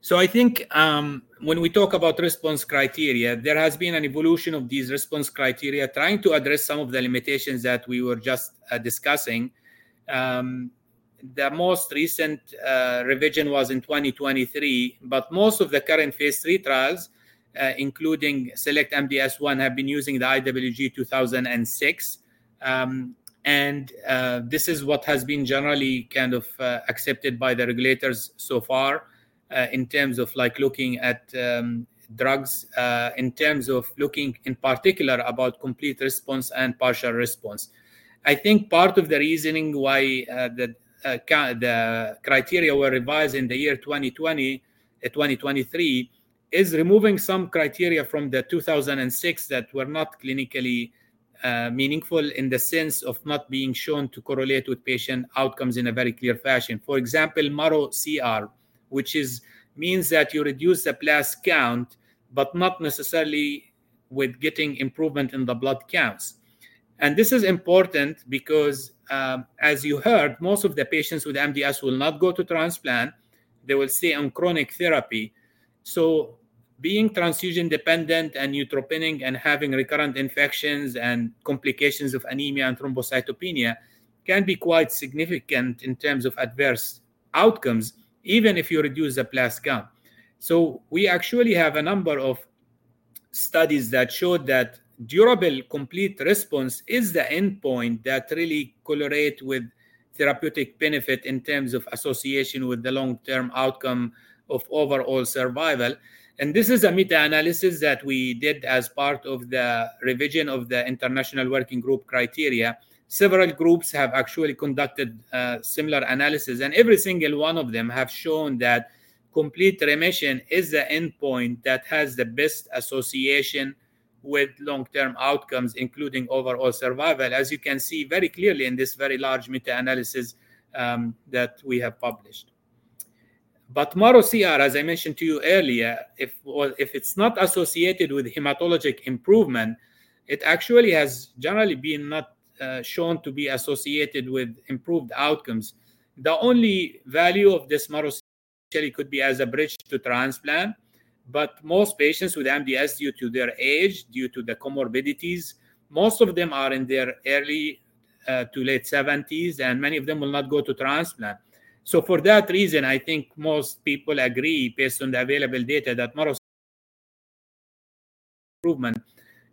So I think, when we talk about response criteria, there has been an evolution of these response criteria trying to address some of the limitations that we were just discussing. The most recent revision was in 2023, but most of the current phase III trials, including SELECT-MDS-1, have been using the IWG 2006. This is what has been generally kind of accepted by the regulators so far, in terms of like looking at drugs, in terms of looking in particular about complete response and partial response. I think part of the reasoning why the criteria were revised in the year 2020, 2023, is removing some criteria from the 2006 that were not clinically meaningful in the sense of not being shown to correlate with patient outcomes in a very clear fashion. For example, mCR, which means that you reduce the blast count, but not necessarily with getting improvement in the blood counts. This is important because, as you heard, most of the patients with MDS will not go to transplant, they will stay on chronic therapy. So being transfusion dependent and neutropenic and having recurrent infections and complications of anemia and thrombocytopenia can be quite significant in terms of adverse outcomes, even if you reduce the blast count. So we actually have a number of studies that showed that durable, complete response is the endpoint that really correlate with therapeutic benefit in terms of association with the long-term outcome of overall survival. And this is a meta-analysis that we did as part of the revision of the International Working Group criteria. Several groups have actually conducted similar analysis, and every single one of them have shown that complete remission is the endpoint that has the best association with long-term outcomes, including overall survival, as you can see very clearly in this very large meta-analysis that we have published. But marrow CR, as I mentioned to you earlier, if or if it's not associated with hematologic improvement, it actually has generally been not shown to be associated with improved outcomes. The only value of this marrow CR could be as a bridge to transplant, but most patients with MDS, due to their age, due to the comorbidities, most of them are in their early to late seventies, and many of them will not go to transplant. So for that reason, I think most people agree, based on the available data, that marrow CR improvement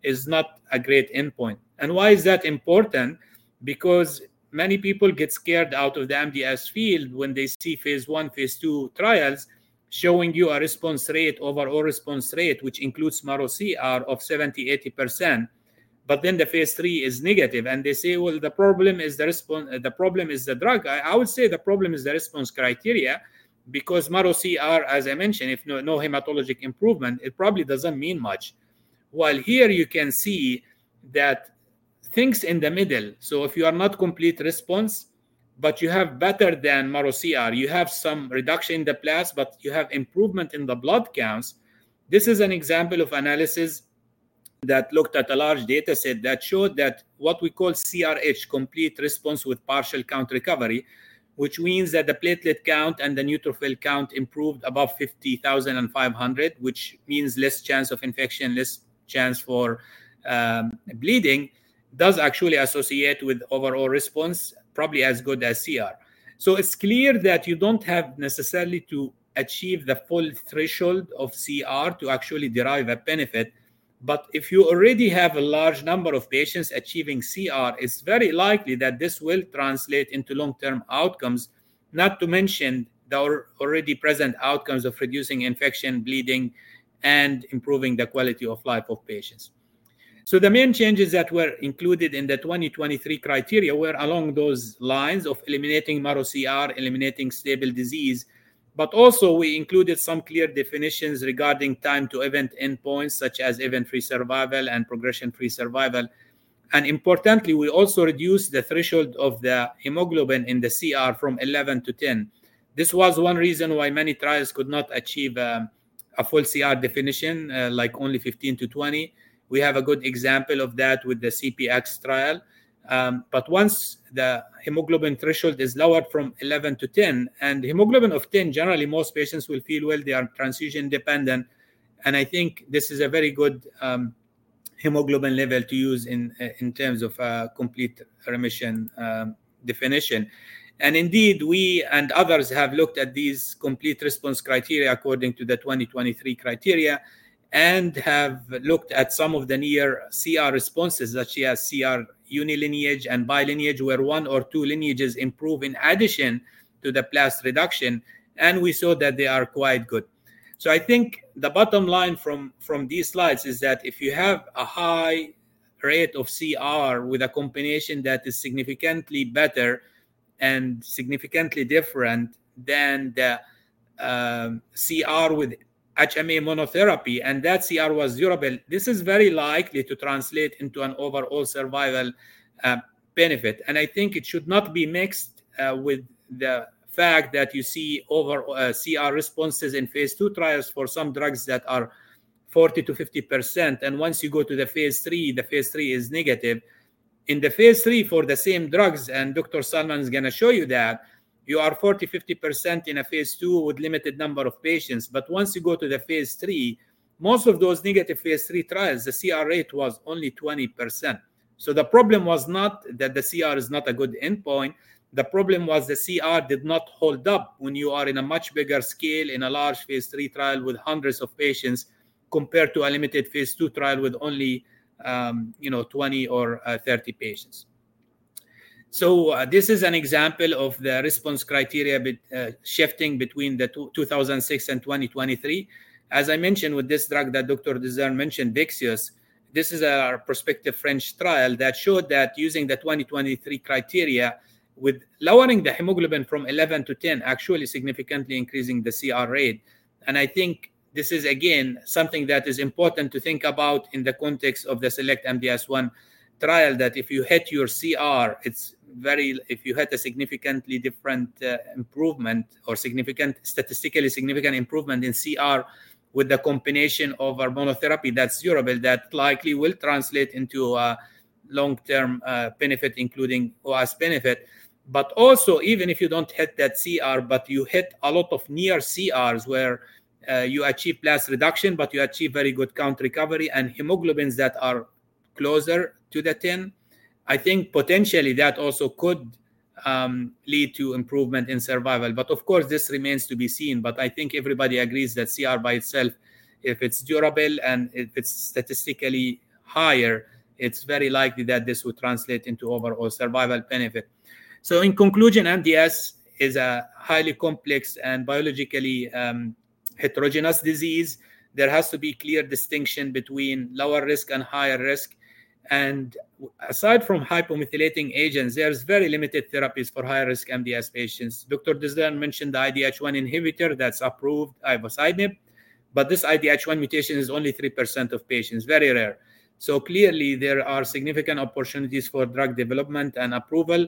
is not a great endpoint. And why is that important? Because many people get scared out of the MDS field when they see phase I, phase II trials showing you a response rate, overall response rate, which includes marrow CR of 70%-80%, but then the phase III is negative, and they say, "Well, the problem is the drug." I would say the problem is the response criteria, because marrow CR, as I mentioned, if no hematologic improvement, it probably doesn't mean much. While here you can see that things in the middle, so if you are not complete response, but you have better than marrow CR, you have some reduction in the blast, but you have improvement in the blood counts. This is an example of analysis that looked at a large data set that showed that what we call CRh, complete response with partial count recovery, which means that the platelet count and the neutrophil count improved above 50,000 and 500, which means less chance of infection, less chance for bleeding, does actually associate with overall response, probably as good as CR. So it's clear that you don't have necessarily to achieve the full threshold of CR to actually derive a benefit, but if you already have a large number of patients achieving CR, it's very likely that this will translate into long-term outcomes, not to mention the already present outcomes of reducing infection, bleeding, and improving the quality of life of patients. So the main changes that were included in the 2023 criteria were along those lines of eliminating marrow CR, eliminating stable disease, but also we included some clear definitions regarding time to event endpoints, such as event-free survival and progression-free survival. And importantly, we also reduced the threshold of the hemoglobin in the CR from 11 to 10. This was one reason why many trials could not achieve a full CR definition, like only 15 to 20. We have a good example of that with the CPX trial. But once the hemoglobin threshold is lowered from 11 to 10, and hemoglobin of 10, generally, most patients will feel well, they are transfusion dependent, and I think this is a very good hemoglobin level to use in terms of complete remission definition. Indeed, we and others have looked at these complete response criteria according to the 2023 criteria and have looked at some of the near CR responses, such as CR unilineage and bilineage, where one or two lineages improve in addition to the blast reduction, and we saw that they are quite good. So I think the bottom line from these slides is that if you have a high rate of CR with a combination that is significantly better and significantly different than the CR with HMA monotherapy, and that CR was durable, this is very likely to translate into an overall survival benefit. I think it should not be mixed with the fact that you see over CR responses in phase II trials for some drugs that are 40%-50%, and once you go to the phase III, the phase III is negative. In the phase III for the same drugs, and Dr. Sallman is gonna show you that, you are 40, 50% in a phase II with limited number of patients. But once you go to the phase III, most of those negative phase III trials, the CR rate was only 20%. So the problem was not that the CR is not a good endpoint, the problem was the CR did not hold up when you are in a much bigger scale, in a large phase III trial with hundreds of patients, compared to a limited phase II trial with only, you know, 20 or 30 patients. So, this is an example of the response criteria between 2006 and 2023. As I mentioned with this drug that Dr. DeZern mentioned, Vyxeos, this is our prospective French trial that showed that using the 2023 criteria, with lowering the hemoglobin from 11 to 10, actually significantly increasing the CR rate. And I think this is, again, something that is important to think about in the context of the SELECT-MDS-1 trial, that if you hit your CR, it's very if you had a significantly different, improvement or significant, statistically significant improvement in CR with the combination of a monotherapy that's durable, that likely will translate into a long-term, benefit, including OS benefit. But also, even if you don't hit that CR, but you hit a lot of near CRs, where, you achieve blast reduction, but you achieve very good count recovery and hemoglobins that are closer to the 10, I think potentially that also could, lead to improvement in survival. But of course, this remains to be seen, but I think everybody agrees that CR by itself, if it's durable and if it's statistically higher, it's very likely that this would translate into overall survival benefit. So in conclusion, MDS is a highly complex and biologically, heterogeneous disease. There has to be clear distinction between lower risk and higher risk. And aside from hypomethylating agents, there's very limited therapies for high-risk MDS patients. Dr. DeZern mentioned the IDH1 inhibitor that's approved, ivosidenib, but this IDH1 mutation is only 3% of patients, very rare. So clearly, there are significant opportunities for drug development and approval,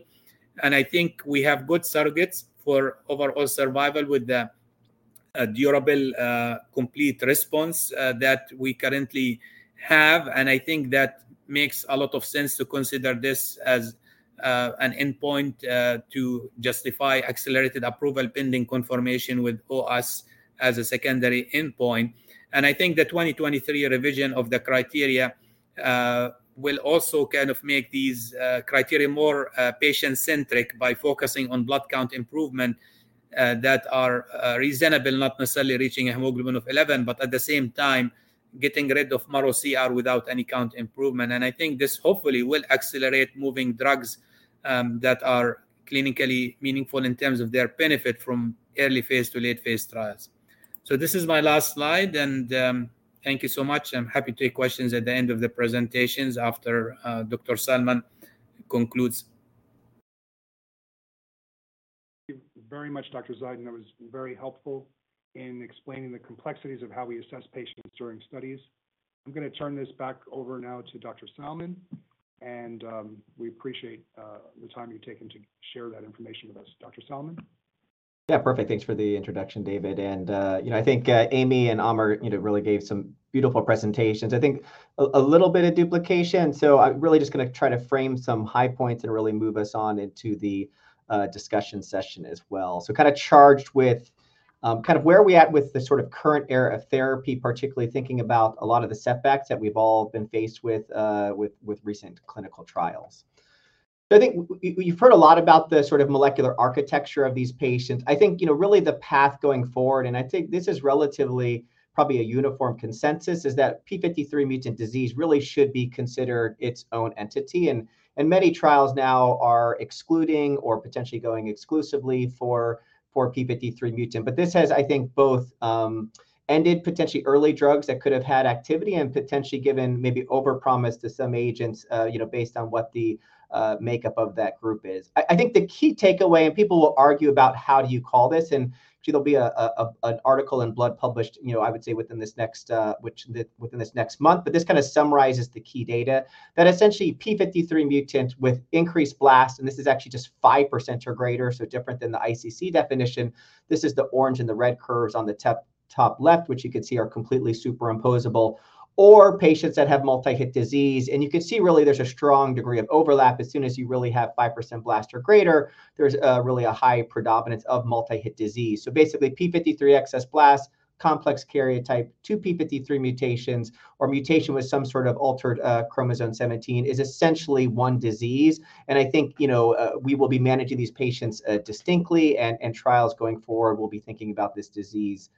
and I think we have good surrogates for overall survival with the durable complete response that we currently have. And I think that makes a lot of sense to consider this as an endpoint to justify accelerated approval, pending confirmation with OS as a secondary endpoint. And I think the 2023 revision of the criteria will also kind of make these criteria more patient-centric by focusing on blood count improvement that are reasonable, not necessarily reaching a hemoglobin of 11, but at the same time, getting rid of marrow CR without any count improvement. I think this hopefully will accelerate moving drugs that are clinically meaningful in terms of their benefit from early-phase to late-phase trials. This is my last slide, and thank you so much. I'm happy to take questions at the end of the presentations after Dr. Sallman concludes. Thank you very much, Dr. Zeidan. That was very helpful in explaining the complexities of how we assess patients during studies. I'm gonna turn this back over now to Dr. Sallman, and we appreciate the time you've taken to share that information with us. Dr. Sallman? Yeah, perfect. Thanks for the introduction, David. And, you know, I think, Amy and Amer, you know, really gave some beautiful presentations. I think a little bit of duplication, so I'm really just gonna try to frame some high points and really move us on into the discussion session as well. So kind of charged with, kind of where are we at with the sort of current era of therapy, particularly thinking about a lot of the setbacks that we've all been faced with, with recent clinical trials. I think you, you've heard a lot about the sort of molecular architecture of these patients. I think, you know, really the path going forward, and I think this is relatively probably a uniform consensus, is that p53 mutant disease really should be considered its own entity. Many trials now are excluding or potentially going exclusively for p53 mutant. But this has, I think, both ended potentially early drugs that could have had activity and potentially given maybe overpromise to some agents, you know, based on what the makeup of that group is. I think the key takeaway, and people will argue about how do you call this, and actually, there'll be an article in Blood published, you know, I would say, within this next month. But this kind of summarizes the key data, that essentially p53 mutant with increased blasts, and this is actually just 5% or greater, so different than the ICC definition. This is the orange and the red curves on the top left, which you can see are completely superimposable, or patients that have multi-hit disease. You can see really there's a strong degree of overlap. As soon as you really have 5% blast or greater, there's really a high predominance of multi-hit disease. So basically, p53 excess blast, complex karyotype, two p53 mutations, or mutation with some sort of altered chromosome 17 is essentially one disease. And I think, you know, we will be managing these patients distinctly, and trials going forward will be thinking about this disease.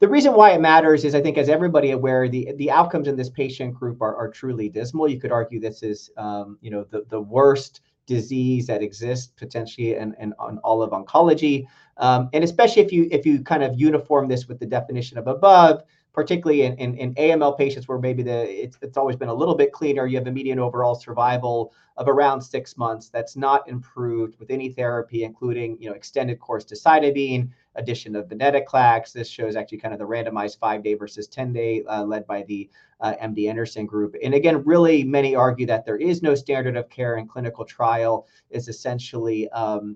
The reason why it matters is, I think, as everybody aware, the outcomes in this patient group are truly dismal. You could argue this is, you know, the worst disease that exists, potentially, in all of oncology. And especially if you, if you kind of uniform this with the definition of above, particularly in AML patients, where maybe the it's, it's always been a little bit cleaner. You have a median overall survival of around six months. That's not improved with any therapy, including, you know, extended course decitabine, addition of venetoclax. This shows actually kind of the randomized five-day versus 10-day, led by the MD Anderson group. And again, really many argue that there is no standard of care, and clinical trial is essentially,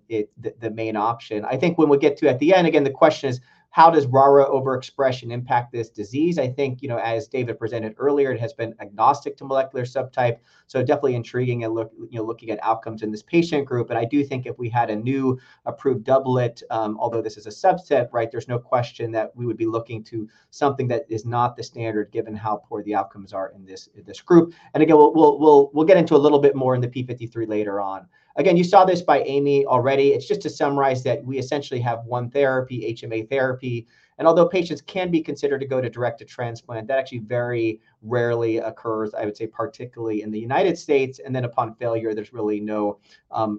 it, the, the main option. I think when we get to at the end, again, the question is: How does RARA overexpression impact this disease? I think, you know, as David presented earlier, it has been agnostic to molecular subtype, so definitely intriguing in look, you know, looking at outcomes in this patient group. But I do think if we had a new approved doublet, although this is a subset, right, there's no question that we would be looking to something that is not the standard, given how poor the outcomes are in this, in this group. And again, we'll get into a little bit more in the p53 later on. Again, you saw this by Amy already. It's just to summarize that we essentially have one therapy, HMA therapy, and although patients can be considered to go to directed transplant, that actually very rarely occurs, I would say, particularly in the United States. And then upon failure, there's really no,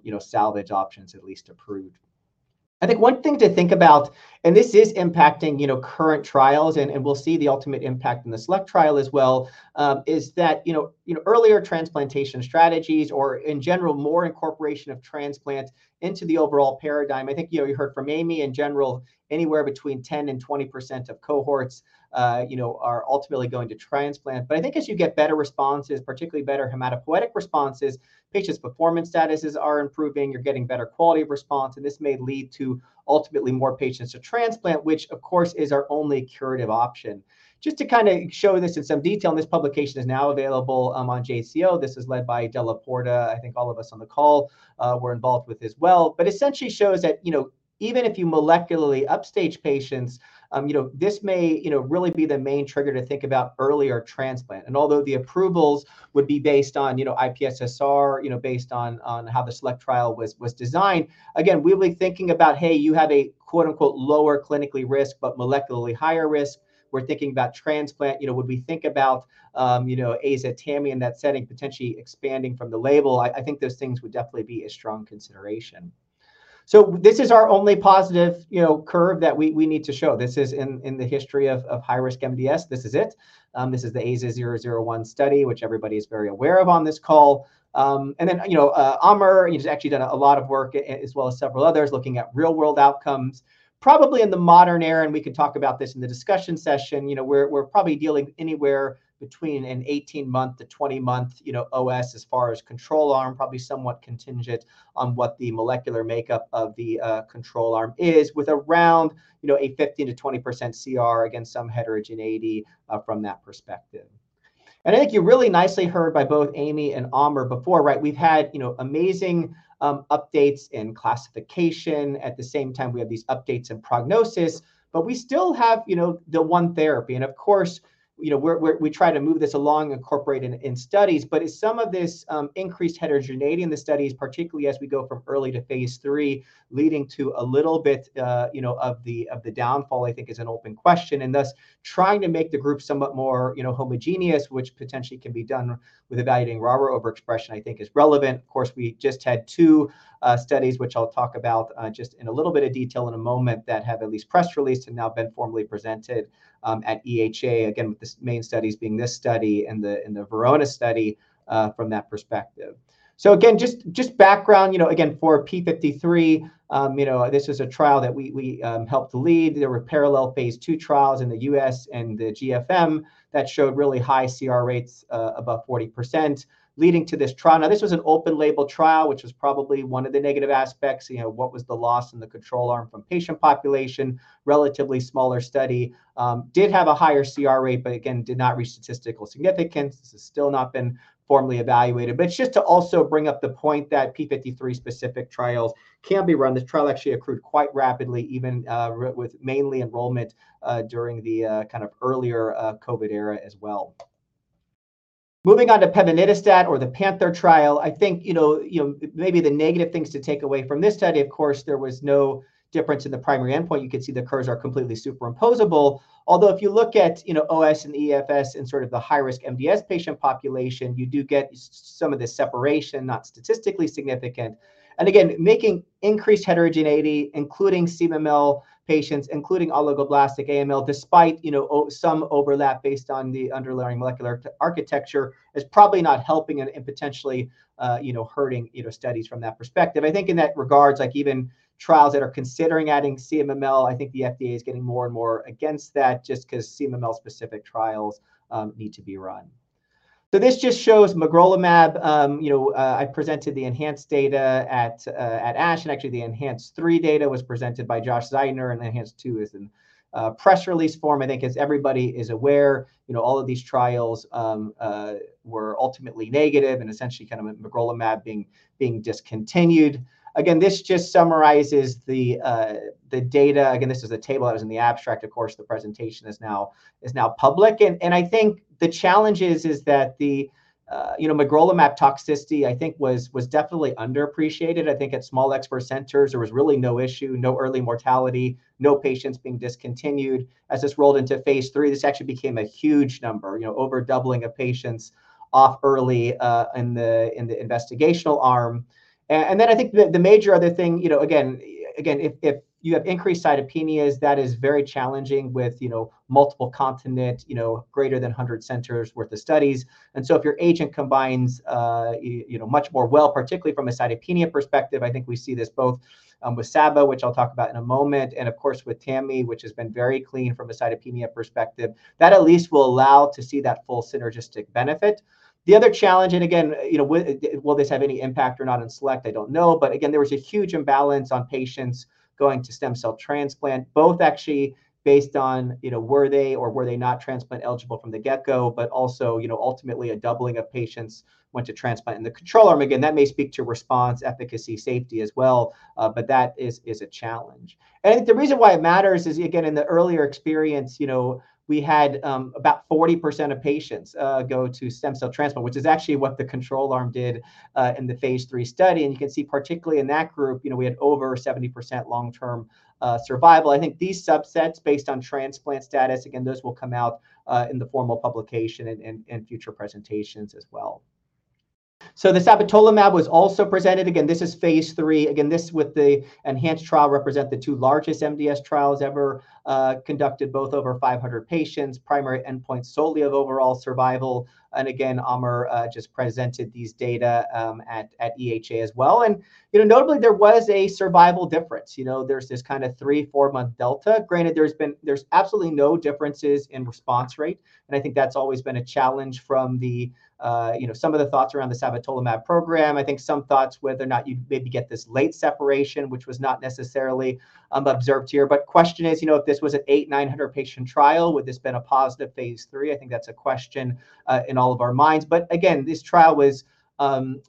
you know, salvage options, at least approved. I think one thing to think about, and this is impacting, you know, current trials, and we'll see the ultimate impact in the SELECT trial as well, is that, you know, earlier transplantation strategies or in general, more incorporation of transplant into the overall paradigm. I think, you know, you heard from Amy, in general, anywhere between 10%-20% of cohorts, you know, are ultimately going to transplant. But I think as you get better responses, particularly better hematopoietic responses, patients' performance statuses are improving, you're getting better quality of response, and this may lead to ultimately more patients to transplant, which of course, is our only curative option. Just to kind of show this in some detail, and this publication is now available, on JCO. This is led by Della Porta. I think all of us on the call were involved with this well. But essentially shows that, you know, even if you molecularly upstage patients, you know, this may, you know, really be the main trigger to think about earlier transplant. And although the approvals would be based on, you know, IPSS-R, you know, based on, on how the SELECT trial was, was designed, again, we'll be thinking about, hey, you have a, quote, unquote, "lower clinically risk, but molecularly higher risk." We're thinking about transplant. You know, would we think about, you know, azacitidine in that setting, potentially expanding from the label? I think those things would definitely be a strong consideration. So this is our only positive, you know, curve that we need to show. This is in the history of high-risk MDS, this is it. This is the AZA-001 study, which everybody is very aware of on this call. And then, you know, Amer, he's actually done a lot of work, as well as several others, looking at real-world outcomes, probably in the modern era, and we can talk about this in the discussion session. You know, we're, we're probably dealing anywhere between an 18-month to 20-month, you know, OS, as far as control arm, probably somewhat contingent on what the molecular makeup of the, control arm is, with around, you know, a 15%-20% CR against some heterogeneity, from that perspective. And I think you really nicely heard by both Amy and Amer before, right? We've had, you know, amazing, updates in classification. At the same time, we have these updates in prognosis, but we still have, you know, the one therapy. Of course, you know, we try to move this along, incorporate it in studies. But is some of this increased heterogeneity in the studies, particularly as we go from early to phase III, leading to a little bit, you know, of the downfall, I think, is an open question. And thus, trying to make the group somewhat more, you know, homogeneous, which potentially can be done with evaluating RARA overexpression, I think is relevant. Of course, we just had 2 studies, which I'll talk about just in a little bit of detail in a moment, that have at least press released and now been formally presented at EHA. Again, with the main studies being this study and the VERONA study from that perspective. So again, just background, you know, again, for p53, you know, this was a trial that we helped lead. There were parallel phase II trials in the US and the GFM that showed really high CR rates, above 40%, leading to this trial. Now, this was an open-label trial, which was probably one of the negative aspects. You know, what was the loss in the control arm from patient population? Relatively smaller study. Did have a higher CR rate, but again, did not reach statistical significance. This has still not been formally evaluated. But it's just to also bring up the point that p53 specific trials can be run. This trial actually accrued quite rapidly, even with mainly enrollment during the kind of earlier COVID era as well. Moving on to pevonedistat or the PANTHER trial, I think, you know, maybe the negative things to take away from this study, of course, there was no difference in the primary endpoint. You could see the curves are completely superimposable. Although if you look at, you know, OS and EFS in sort of the high-risk MDS patient population, you do get some of the separation, not statistically significant. And again, making increased heterogeneity, including CMML patients, including oligoblastic AML, despite, you know, some overlap based on the underlying molecular architecture, is probably not helping and, and potentially, you know, hurting, you know, studies from that perspective. I think in that regards, like, even trials that are considering adding CMML, I think the FDA is getting more and more against that just 'cause CMML-specific trials need to be run. So this just shows magrolimab. You know, I presented the ENHANCE data at ASH, and actually, the ENHANCE 3 data was presented by Josh Zeidner, and ENHANCE 2 is in press release form. I think, as everybody is aware, you know, all of these trials were ultimately negative and essentially kind of magrolimab being discontinued. Again, this just summarizes the data. Again, this is a table that was in the abstract. Of course, the presentation is now public. And I think the challenge is that the, you know, magrolimab toxicity, I think, was definitely underappreciated. I think at small expert centers, there was really no issue, no early mortality, no patients being discontinued. As this rolled into phase III, this actually became a huge number, you know, over doubling of patients off early in the investigational arm. And then I think the major other thing, you know, again, if you have increased cytopenias, that is very challenging with multiple continents, you know, greater than 100 centers worth of studies. And so if your agent combines much more well, particularly from a cytopenia perspective, I think we see this both with sabatolimab, which I'll talk about in a moment, and of course, with Tami, which has been very clean from a cytopenia perspective, that at least will allow to see that full synergistic benefit. The other challenge, and again, you know, will this have any impact or not in SELECT? I don't know. But again, there was a huge imbalance on patients going to stem cell transplant, both actually based on, you know, were they or were they not transplant eligible from the get-go, but also, you know, ultimately, a doubling of patients went to transplant. In the control arm, again, that may speak to response, efficacy, safety as well, but that is a challenge. And the reason why it matters is, again, in the earlier experience, you know, we had about 40% of patients go to stem cell transplant, which is actually what the control arm did in the phase III study. And you can see, particularly in that group, you know, we had over 70% long-term survival. I think these subsets, based on transplant status, again, those will come out in the formal publication and future presentations as well. So sabatolimab was also presented. Again, this is phase III. Again, this with the ENHANCE trial represent the two largest MDS trials ever conducted, both over 500 patients, primary endpoint solely of overall survival. And again, Amer just presented these data at EHA as well. And, you know, notably, there was a survival difference. You know, there's this kinda 3-4-month delta. Granted, there's been there's absolutely no differences in response rate, and I think that's always been a challenge from the, you know, some of the thoughts around the sabatolimab program. I think some thoughts, whether or not you'd maybe get this late separation, which was not necessarily observed here. But question is, you know, if this was an 800-900-patient trial, would this been a positive phase III? I think that's a question in all of our minds. But again, this trial was,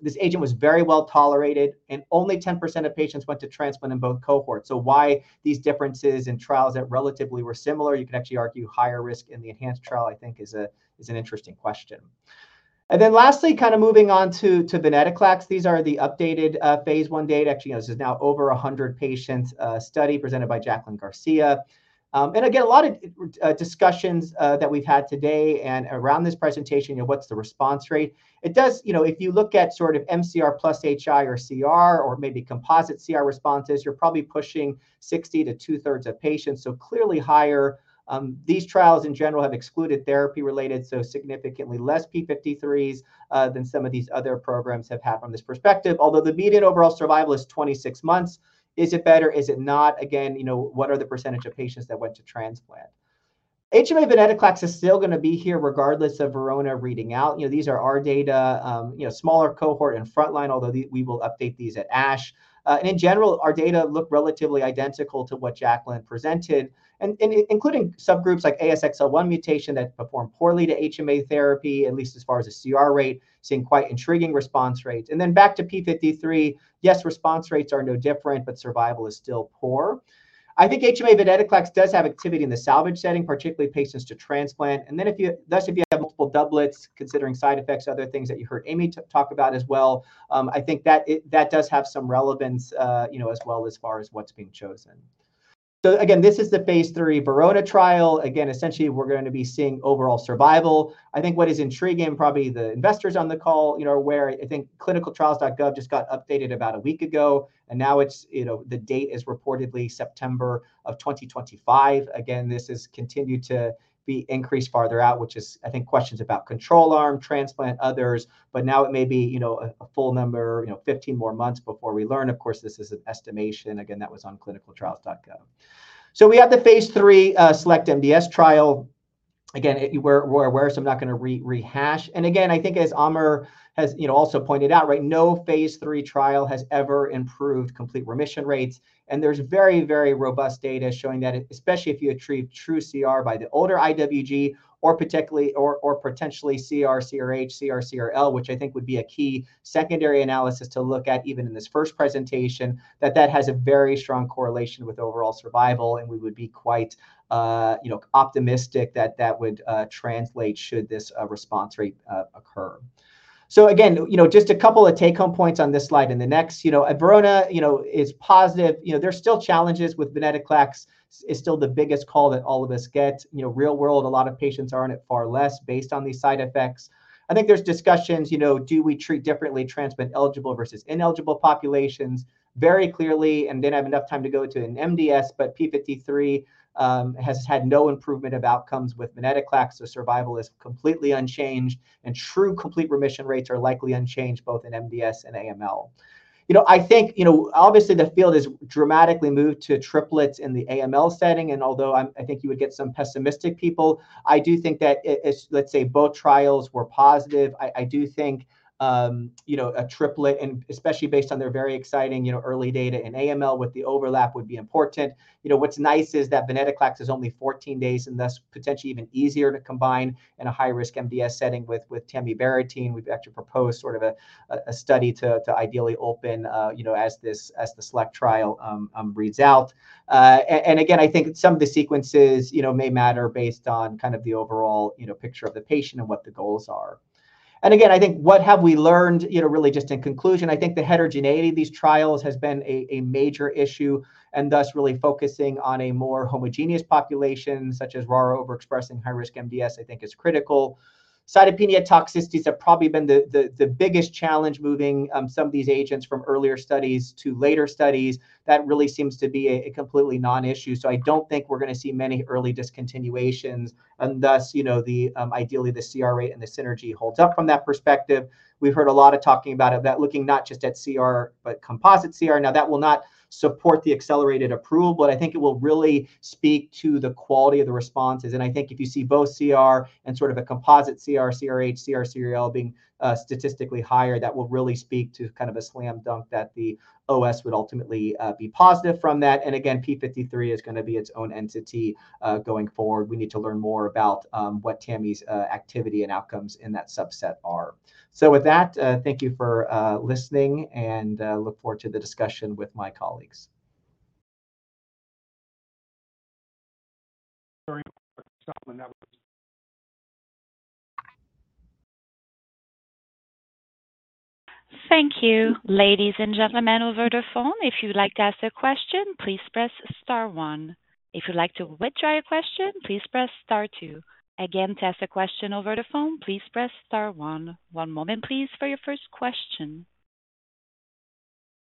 this agent was very well-tolerated, and only 10% of patients went to transplant in both cohorts. So why these differences in trials that relatively were similar, you can actually argue higher risk in the ENHANCE trial, I think is an interesting question. And then lastly, kind of moving on to venetoclax. These are the updated phase I data. Actually, this is now over 100 patients, study presented by Jacqueline Garcia. And again, a lot of discussions that we've had today and around this presentation, you know, what's the response rate? It does—you know, if you look at sort of MCR plus HI or CR or maybe composite CR responses, you're probably pushing 60 to two-thirds of patients, so clearly higher. These trials, in general, have excluded therapy-related, so significantly less p53s than some of these other programs have had from this perspective. Although the median overall survival is 26 months, is it better? Is it not? Again, you know, what are the percentage of patients that went to transplant? HMA venetoclax is still gonna be here regardless of VERONA reading out. You know, these are our data, smaller cohort and frontline, although the, we will update these at ASH. And in general, our data look relatively identical to what Jacqueline presented. And, and including subgroups like ASXL1 mutation that perform poorly to HMA therapy, at least as far as a CR rate, seeing quite intriguing response rates. And then back to p53, yes, response rates are no different, but survival is still poor. I think HMA venetoclax does have activity in the salvage setting, particularly patients to transplant. And then if you, thus, if you have multiple doublets, considering side effects, other things that you heard Amy talk about as well, I think that it, that does have some relevance, you know, as well as far as what's being chosen. So again, this is the phase III VERONA trial. Again, essentially, we're going to be seeing overall survival. I think what is intriguing, probably the investors on the call, you know, are aware. I think ClinicalTrials.gov just got updated about a week ago, and now it's, you know, the date is reportedly September 2025. Again, this has continued to be increased farther out, which is, I think, questions about control arm, transplant, others, but now it may be, you know, a full number, you know, 15 more months before we learn. Of course, this is an estimation. Again, that was on ClinicalTrials.gov. So we have the phase III SELECT-MDS-1 trial. Again, we're aware, so I'm not going to rehash. And again, I think as Amer has, you know, also pointed out, right, no phase III trial has ever improved complete remission rates. There's very, very robust data showing that, especially if you achieve true CR by the older IWG or particularly or potentially CR, CRh, CR, CRi, which I think would be a key secondary analysis to look at even in this first presentation, that that has a very strong correlation with overall survival and we would be quite, you know, optimistic that that would translate should this response rate occur. So again, you know, just a couple of take-home points on this slide. The next, you know, Verona, you know, is positive. You know, there's still challenges with venetoclax. It's still the biggest call that all of us get. You know, real world, a lot of patients are on it, far less based on these side effects. I think there's discussions, you know, do we treat differently transplant-eligible versus ineligible populations? Very clearly, and didn't have enough time to go into an MDS, but p53 has had no improvement of outcomes with venetoclax, so survival is completely unchanged, and true complete remission rates are likely unchanged both in MDS and AML. You know, I think, you know, obviously the field has dramatically moved to triplets in the AML setting, and although I'm, I think you would get some pessimistic people, I do think that it, it, let's say both trials were positive. I, I do think, you know, a triplet, and especially based on their very exciting, you know, early data in AML with the overlap would be important. You know, what's nice is that venetoclax is only 14 days and thus potentially even easier to combine in a high-risk MDS setting with, with tamibarotene. We've actually proposed sort of a study to ideally open, you know, as this, as the SELECT trial reads out. And again, I think some of the sequences, you know, may matter based on kind of the overall, you know, picture of the patient and what the goals are. And again, I think what have we learned, you know, really just in conclusion, I think the heterogeneity of these trials has been a major issue, and thus really focusing on a more homogeneous population, such as RARA overexpressing high-risk MDS, I think is critical. Cytopenia toxicities have probably been the biggest challenge moving some of these agents from earlier studies to later studies. That really seems to be a completely non-issue, so I don't think we're gonna see many early discontinuations, and thus, you know, ideally, the CR rate and the synergy holds up from that perspective. We've heard a lot of talking about it, that looking not just at CR, but composite CR. Now, that will not support the accelerated approval, but I think it will really speak to the quality of the responses. And I think if you see both CR and sort of a composite CR, CRh, CR, CRi being statistically higher, that will really speak to kind of a slam dunk that the OS would ultimately be positive from that. And again, p53 is gonna be its own entity going forward. We need to learn more about what Tami's activity and outcomes in that subset are. With that, thank you for listening and look forward to the discussion with my colleagues. Thank you. Ladies and gentlemen, over the phone, if you'd like to ask a question, please press Star one. If you'd like to withdraw your question, please press Star two. Again, to ask a question over the phone, please press Star one. One moment, please, for your first question.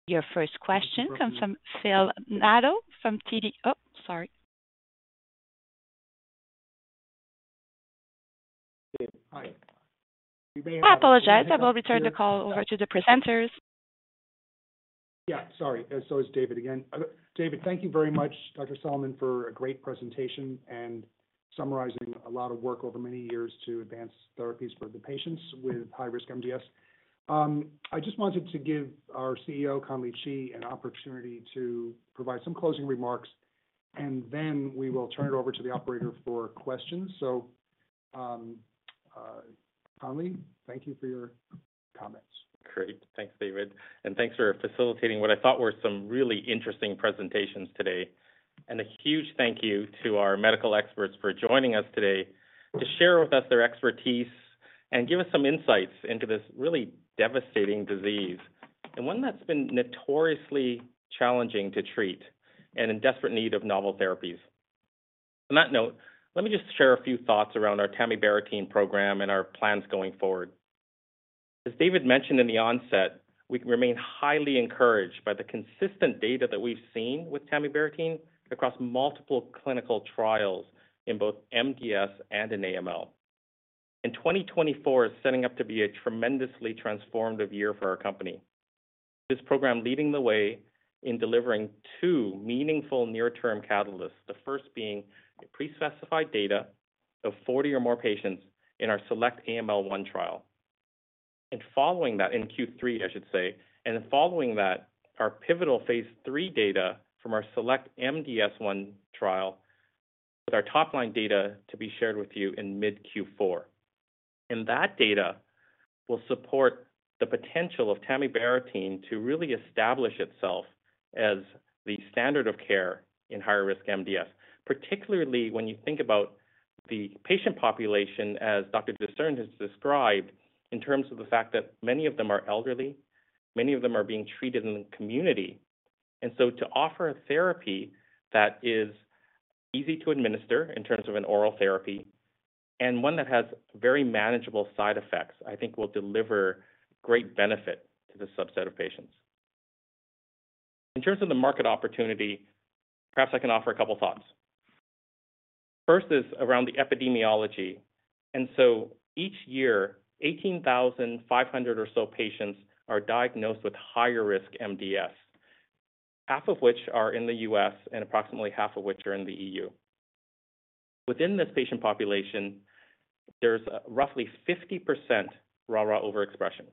Your first question comes from Phil Nadeau from TD Cowen. Oh, sorry. Hi. I apologize. I will return the call over to the presenters. Yeah, sorry. So it's David again. David, thank you very much, Dr. Sallman, for a great presentation and summarizing a lot of work over many years to advance therapies for the patients with high-risk MDS. I just wanted to give our CEO, Conley Chee, an opportunity to provide some closing remarks, and then we will turn it over to the operator for questions. Conley, thank you for your great- Great. Thanks, David, and thanks for facilitating what I thought were some really interesting presentations today. A huge thank you to our medical experts for joining us today to share with us their expertise and give us some insights into this really devastating disease, and one that's been notoriously challenging to treat and in desperate need of novel therapies. On that note, let me just share a few thoughts around our tamibarotene program and our plans going forward. As David mentioned in the onset, we remain highly encouraged by the consistent data that we've seen with tamibarotene across multiple clinical trials in both MDS and in AML. 2024 is setting up to be a tremendously transformative year for our company. This program leading the way in delivering two meaningful near-term catalysts, the first being the pre-specified data of 40 or more patients in our SELECT-AML-1 trial. And following that, in Q3, I should say, and following that, our pivotal phase III data from our SELECT-MDS-1 trial, with our top-line data to be shared with you in mid-Q4. And that data will support the potential of tamibarotene to really establish itself as the standard of care in higher-risk MDS, particularly when you think about the patient population, as Dr. DeZern has described, in terms of the fact that many of them are elderly, many of them are being treated in the community. And so to offer a therapy that is easy to administer in terms of an oral therapy and one that has very manageable side effects, I think will deliver great benefit to this subset of patients. In terms of the market opportunity, perhaps I can offer a couple thoughts. First is around the epidemiology, and so each year, 18,500 or so patients are diagnosed with higher-risk MDS, half of which are in the US and approximately half of which are in the EU. Within this patient population, there's roughly 50% RARA overexpression.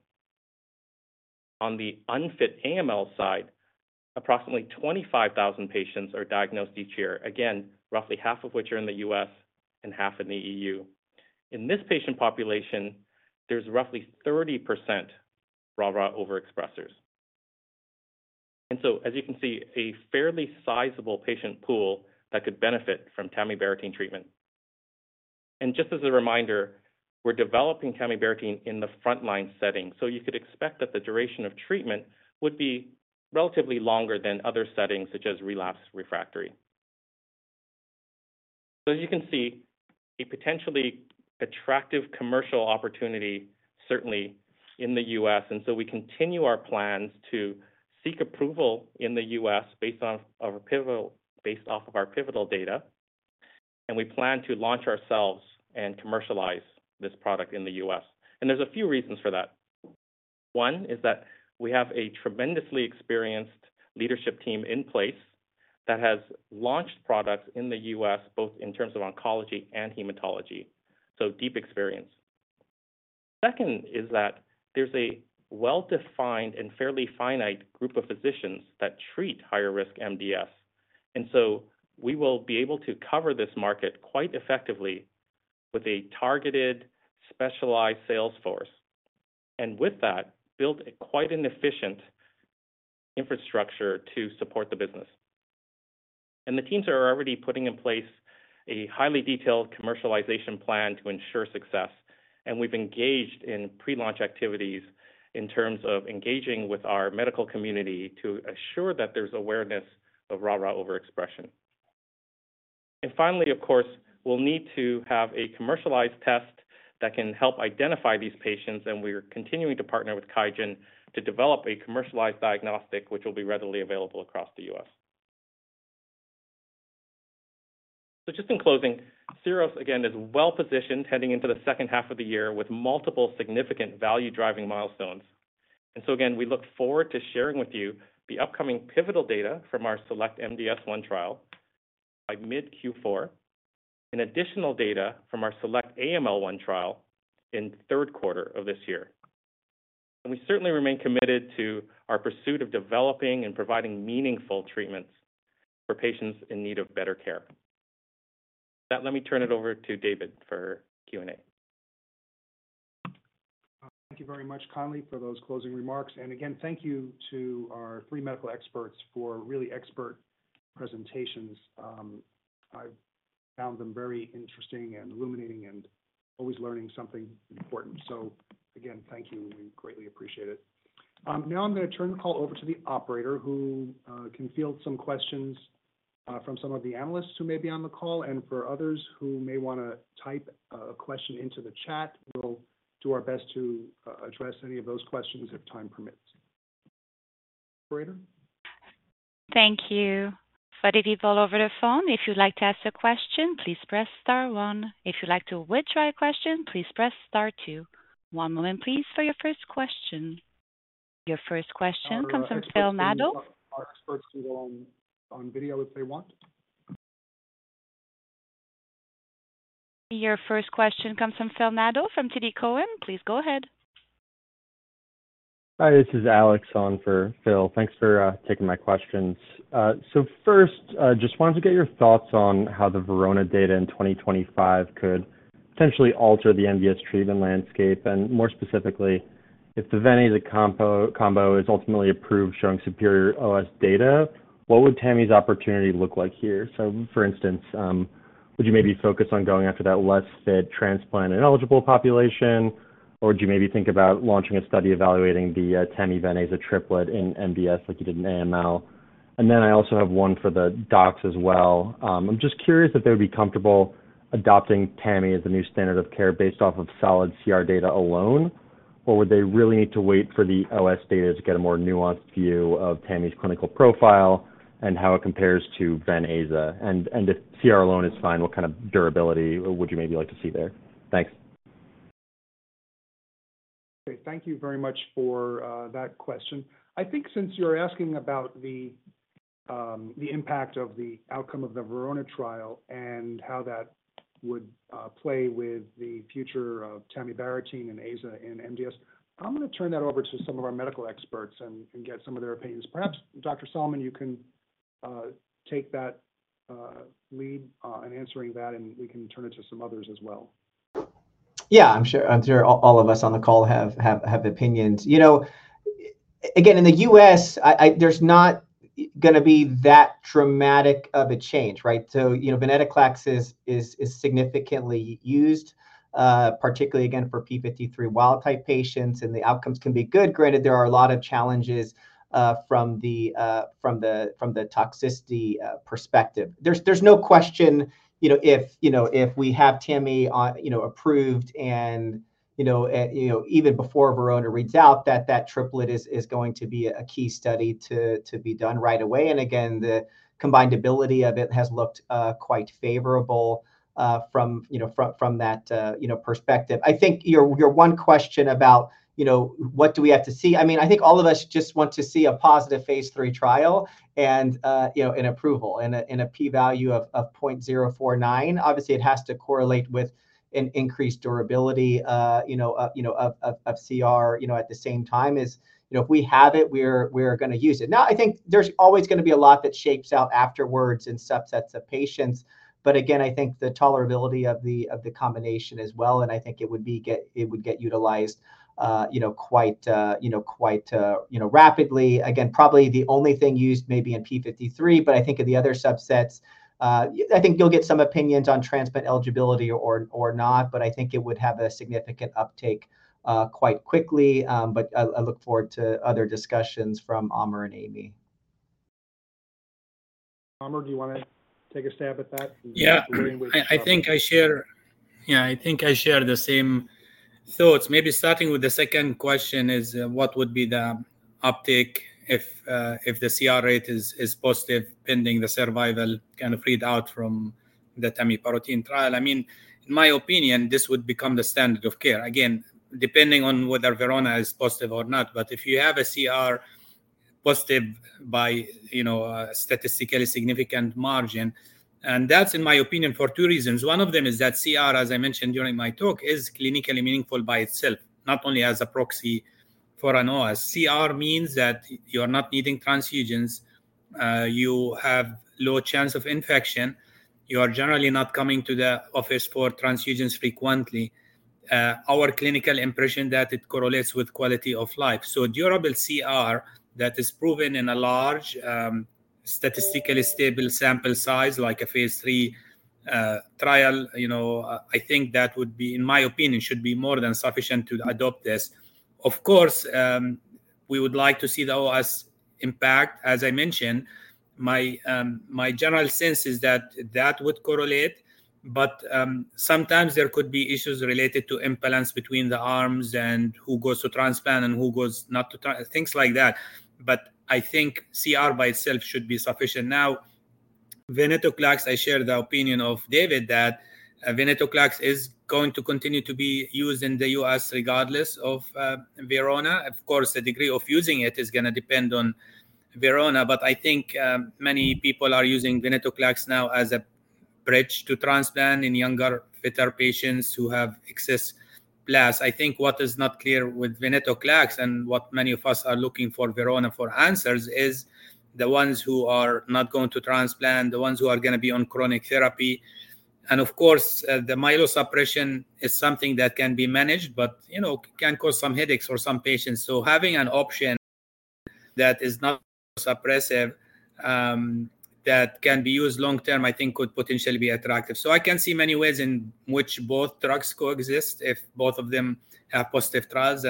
On the unfit AML side, approximately 25,000 patients are diagnosed each year, again, roughly half of which are in the US and half in the EU. In this patient population, there's roughly 30% RARA overexpressers. And so, as you can see, a fairly sizable patient pool that could benefit from tamibarotene treatment. And just as a reminder, we're developing tamibarotene in the frontline setting, so you could expect that the duration of treatment would be relatively longer than other settings, such as relapse refractory. So as you can see, a potentially attractive commercial opportunity, certainly in the U.S., and so we continue our plans to seek approval in the U.S. based on our pivotal-based off of our pivotal data, and we plan to launch ourselves and commercialize this product in the U.S. And there's a few reasons for that. One is that we have a tremendously experienced leadership team in place that has launched products in the U.S., both in terms of oncology and hematology, so deep experience. Second is that there's a well-defined and fairly finite group of physicians that treat higher-risk MDS, and so we will be able to cover this market quite effectively with a targeted, specialized sales force. And with that, build quite an efficient infrastructure to support the business. The teams are already putting in place a highly detailed commercialization plan to ensure success, and we've engaged in pre-launch activities in terms of engaging with our medical community to assure that there's awareness of RARA overexpression. Finally, of course, we'll need to have a commercialized test that can help identify these patients, and we are continuing to partner with QIAGEN to develop a commercialized diagnostic, which will be readily available across the U.S. So just in closing, Syros, again, is well-positioned heading into the second half of the year with multiple significant value-driving milestones. So again, we look forward to sharing with you the upcoming pivotal data from our SELECT-MDS-1 trial by mid-Q4, and additional data from our SELECT-AML-1 trial in the third quarter of this year. We certainly remain committed to our pursuit of developing and providing meaningful treatments for patients in need of better care. With that, let me turn it over to David for Q&A. Thank you very much, Conley, for those closing remarks. And again, thank you to our three medical experts for really expert presentations. I found them very interesting and illuminating and always learning something important. So again, thank you. We greatly appreciate it. Now I'm going to turn the call over to the operator, who can field some questions from some of the analysts who may be on the call. And for others who may want to type a question into the chat, we'll do our best to address any of those questions if time permits. Operator? Thank you. For people over the phone, if you'd like to ask a question, please press star one. If you'd like to withdraw your question, please press star two. One moment, please, for your first question. Your first question comes from Phil Nadeau- Our experts can go on, on video if they want. Your first question comes from Phil Nadeau from TD Cowen. Please go ahead. Hi, this is Alex on for Phil. Thanks for taking my questions. So first, just wanted to get your thoughts on how the VERONA data in 2025 could potentially alter the MDS treatment landscape? And more specifically, if the venetoclax combo is ultimately approved, showing superior OS data, what would Tami's opportunity look like here? For instance, would you maybe focus on going after that less fit transplant-ineligible population? Or would you maybe think about launching a study evaluating the Tami venetoclax triplet in MDS like you did in AML? And then I also have one for the docs as well. I'm just curious if they would be comfortable adopting tamibarotene as a new standard of care based off of solid CR data alone, or would they really need to wait for the OS data to get a more nuanced view of tamibarotene's clinical profile and how it compares to venetoclax? And if CR alone is fine, what kind of durability would you maybe like to see there? Thanks. Okay, thank you very much for that question. I think since you're asking about the impact of the outcome of the VERONA trial and how that would play with the future of tamibarotene and AZA in MDS, I'm gonna turn that over to some of our medical experts and get some of their opinions. Perhaps, Dr. Sallman, you can take that lead in answering that, and we can turn it to some others as well. Yeah, I'm sure all of us on the call have opinions. You know, again, in the US, I, there's not gonna be that dramatic of a change, right? So, you know, venetoclax is significantly used, particularly again, for P53 wild type patients, and the outcomes can be good. Granted, there are a lot of challenges from the toxicity perspective. There's no question, you know, if we have tamibarotene approved and even before VERONA reads out, that triplet is going to be a key study to be done right away. And again, the combinability of it has looked quite favorable from that perspective. I think your one question about, you know, what do we have to see? I mean, I think all of us just want to see a positive phase III trial and, you know, an approval and a, and a P value of point zero four nine. Obviously, it has to correlate with an increased durability, you know, of CR, you know, at the same time as you know, if we have it, we're gonna use it. Now, I think there's always gonna be a lot that shapes out afterwards in subsets of patients. But again, I think the tolerability of the combination as well, and I think it would get utilized, you know, quite, you know, quite, you know, quite, you know, rapidly. Again, probably the only thing used maybe in p53, but I think in the other subsets, I think you'll get some opinions on transplant eligibility or, or not, but I think it would have a significant uptake, quite quickly. But I, I look forward to other discussions from Amer and Amy. Amer, do you wanna take a stab at that? Yeah. With- I think I share, yeah, I think I share the same thoughts. Maybe starting with the second question is, what would be the uptick if, if the CR rate is, is positive, pending the survival, kind of, read out from the tamibarotene trial? I mean, in my opinion, this would become the standard of care. Again, depending on whether VERONA is positive or not. But if you have a CR positive by, you know, a statistically significant margin, and that's, in my opinion, for two reasons. One of them is that CR, as I mentioned during my talk, is clinically meaningful by itself, not only as a proxy for an OS. CR means that you're not needing transfusions, you have low chance of infection, you are generally not coming to the office for transfusions frequently. Our clinical impression that it correlates with quality of life. So durable CR that is proven in a large, statistically stable sample size, like a phase III trial, you know, I think that would be, in my opinion, should be more than sufficient to adopt this. Of course, we would like to see the OS impact. As I mentioned, my, my general sense is that that would correlate, but, sometimes there could be issues related to imbalance between the arms and who goes to transplant and who goes not to transplant things like that. But I think CR by itself should be sufficient. Now, venetoclax, I share the opinion of David, that, venetoclax is going to continue to be used in the U.S. regardless of, VERONA. Of course, the degree of using it is gonna depend on VERONA, but I think many people are using venetoclax now as a bridge to transplant in younger, fitter patients who have excess blast. I think what is not clear with venetoclax, and what many of us are looking for VERONA for answers, is the ones who are not going to transplant, the ones who are gonna be on chronic therapy. And of course, the myelosuppression is something that can be managed, but, you know, can cause some headaches for some patients. So having an option that is not suppressive, that can be used long term, I think, could potentially be attractive. So I can see many ways in which both drugs coexist if both of them have positive trials.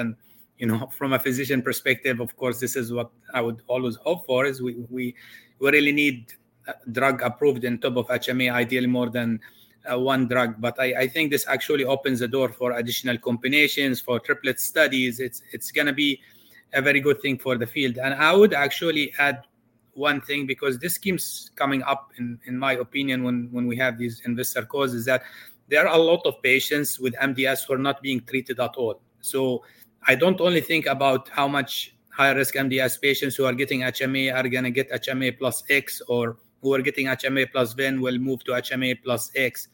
You know, from a physician perspective, of course, this is what I would always hope for, is we really need a drug approved on top of HMA, ideally more than one drug. But I think this actually opens the door for additional combinations, for triplet studies. It's gonna be a very good thing for the field. And I would actually add one thing, because this keeps coming up in my opinion, when we have these investor calls, is that there are a lot of patients with MDS who are not being treated at all. So I don't only think about how much high-risk MDS patients who are getting HMA are gonna get HMA plus X, or who are getting HMA plus VEN will move to HMA plus X.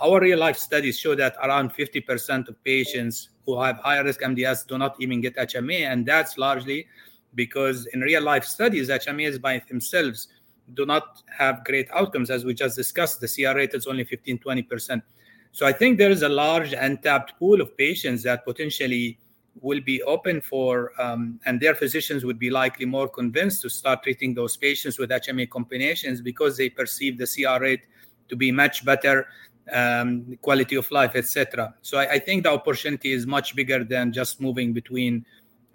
Our real-life studies show that around 50% of patients who have high-risk MDS do not even get HMA, and that's largely because in real-life studies, HMA by themselves do not have great outcomes, as we just discussed. The CR rate is only 15%-20%. So I think there is a large untapped pool of patients that potentially will be open for, and their physicians would be likely more convinced to start treating those patients with HMA combinations because they perceive the CR rate to be much better, quality of life, et cetera. So I, I think the opportunity is much bigger than just moving between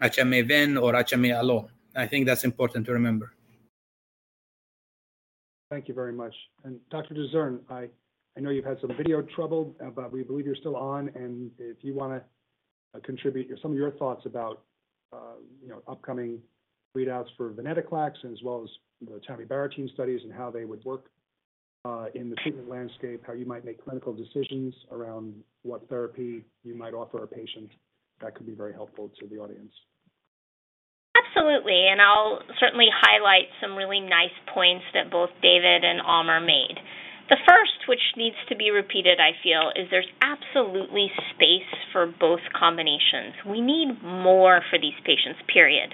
HMA-VEN or HMA alone. I think that's important to remember. Thank you very much. Dr. DeZern, I know you've had some video trouble, but we believe you're still on, and if you wanna contribute some of your thoughts about, you know, upcoming readouts for venetoclax, as well as the tamibarotene studies and how they would work in the treatment landscape, how you might make clinical decisions around what therapy you might offer a patient, that could be very helpful to the audience. Absolutely, and I'll certainly highlight some really nice points that both David and Amer made. The first, which needs to be repeated, I feel, is there's absolutely space for both combinations. We need more for these patients, period.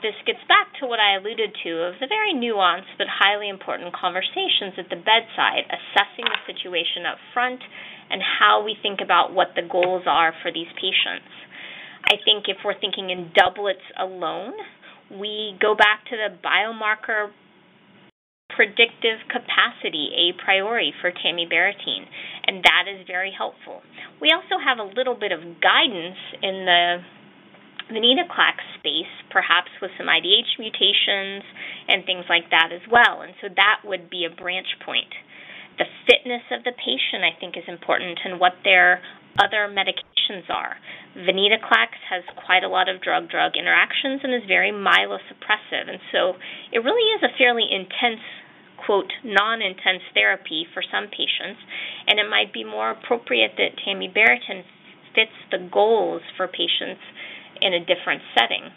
This gets back to what I alluded to, of the very nuanced but highly important conversations at the bedside, assessing the situation up front and how we think about what the goals are for these patients. I think if we're thinking in doublets alone, we go back to the biomarker predictive capacity a priority for tamibarotene, and that is very helpful. We also have a little bit of guidance in the venetoclax space, perhaps with some IDH mutations and things like that as well, and so that would be a branch point. The fitness of the patient, I think, is important and what their other medications are. Venetoclax has quite a lot of drug-drug interactions and is very myelosuppressive, and so it really is a fairly intense, quote, "non-intense therapy" for some patients, and it might be more appropriate that tamibarotene fits the goals for patients in a different setting.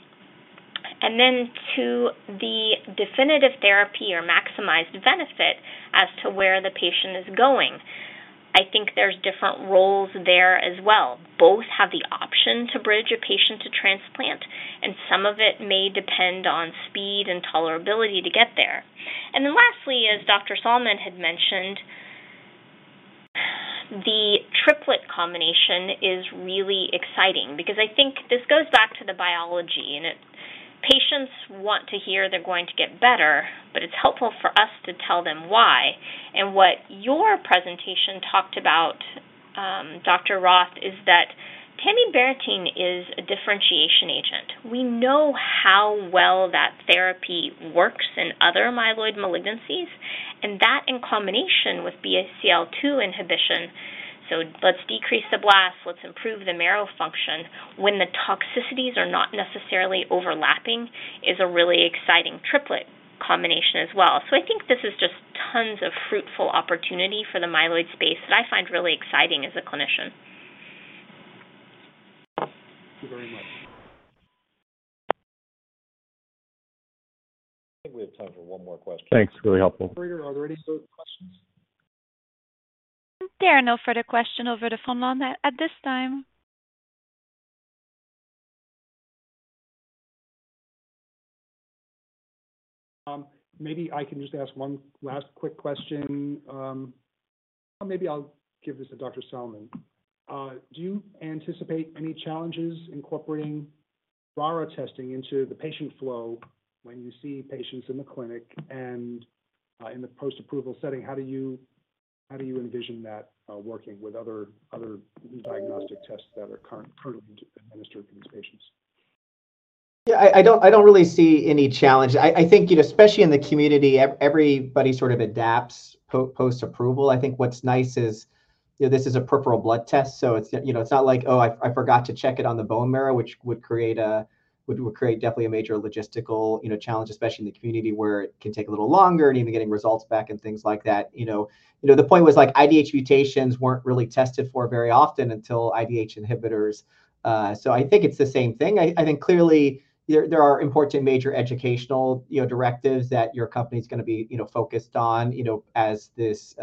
Then to the definitive therapy or maximized benefit as to where the patient is going, I think there's different roles there as well. Both have the option to bridge a patient to transplant, and some of it may depend on speed and tolerability to get there. Then lastly, as Dr. Sallman had mentioned, the triplet combination is really exciting because I think this goes back to the biology, and it patients want to hear they're going to get better, but it's helpful for us to tell them why. And what your presentation talked about, Dr. Roth, is that tamibarotene is a differentiation agent. We know how well that therapy works in other myeloid malignancies, and that in combination with BCL-2 inhibition, so let's decrease the blast, let's improve the marrow function, when the toxicities are not necessarily overlapping, is a really exciting triplet combination as well. So I think this is just tons of fruitful opportunity for the myeloid space that I find really exciting as a clinician. Thank you very much. I think we have time for one more question. Thanks, very helpful. Operator, are there any further questions? There are no further question over the phone line at this time. Maybe I can just ask one last quick question. Or maybe I'll give this to Dr. Sallman. Do you anticipate any challenges incorporating RARA testing into the patient flow when you see patients in the clinic and, in the post-approval setting, how do you, how do you envision that, working with other, other diagnostic tests that are current, currently administered to these patients? Yeah, I don't really see any challenge. I think, you know, especially in the community, everybody sort of adapts post-approval. I think what's nice is, you know, this is a peripheral blood test, so it's, you know, it's not like, "Oh, I forgot to check it on the bone marrow," which would create definitely a major logistical, you know, challenge, especially in the community where it can take a little longer, and even getting results back and things like that. You know, the point was, like, IDH mutations weren't really tested for very often until IDH inhibitors, so I think it's the same thing. I think clearly there are important major educational, you know, directives that your company's gonna be, you know, focused on, you know, as this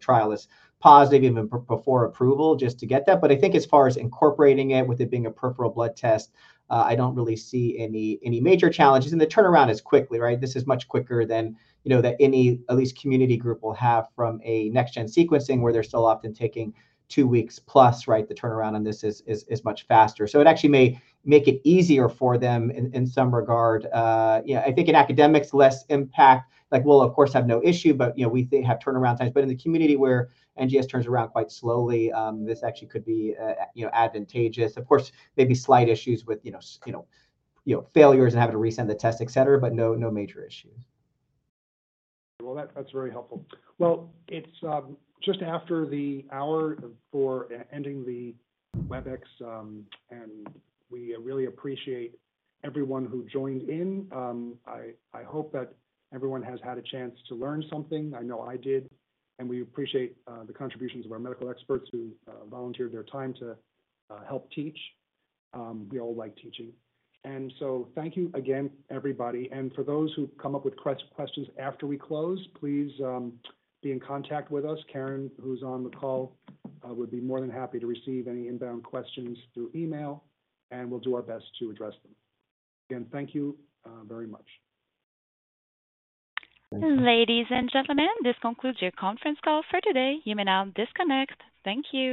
trial is positive and before approval just to get that. But I think as far as incorporating it, with it being a peripheral blood test, I don't really see any major challenges, and the turnaround is quickly, right? This is much quicker than that any at least community group will have from a next-gen sequencing, where they're still often taking two weeks plus, right? The turnaround on this is much faster. So it actually may make it easier for them in some regard. Yeah, I think in academics, less impact, like we'll of course have no issue, but we have turnaround times. But in the community where NGS turns around quite slowly, this actually could be, you know, advantageous. Of course, maybe slight issues with, you know, you know, failures and having to resend the test, et cetera, but no, no major issues. Well, that's very helpful. Well, it's just after the hour for ending the Webex, and we really appreciate everyone who joined in. I hope that everyone has had a chance to learn something. I know I did, and we appreciate the contributions of our medical experts who volunteered their time to help teach. We all like teaching. And so thank you again, everybody. And for those who come up with questions after we close, please be in contact with us. Karen, who's on the call, would be more than happy to receive any inbound questions through email, and we'll do our best to address them. Again, thank you very much. Thanks. Ladies and gentlemen, this concludes your conference call for today. You may now disconnect. Thank you.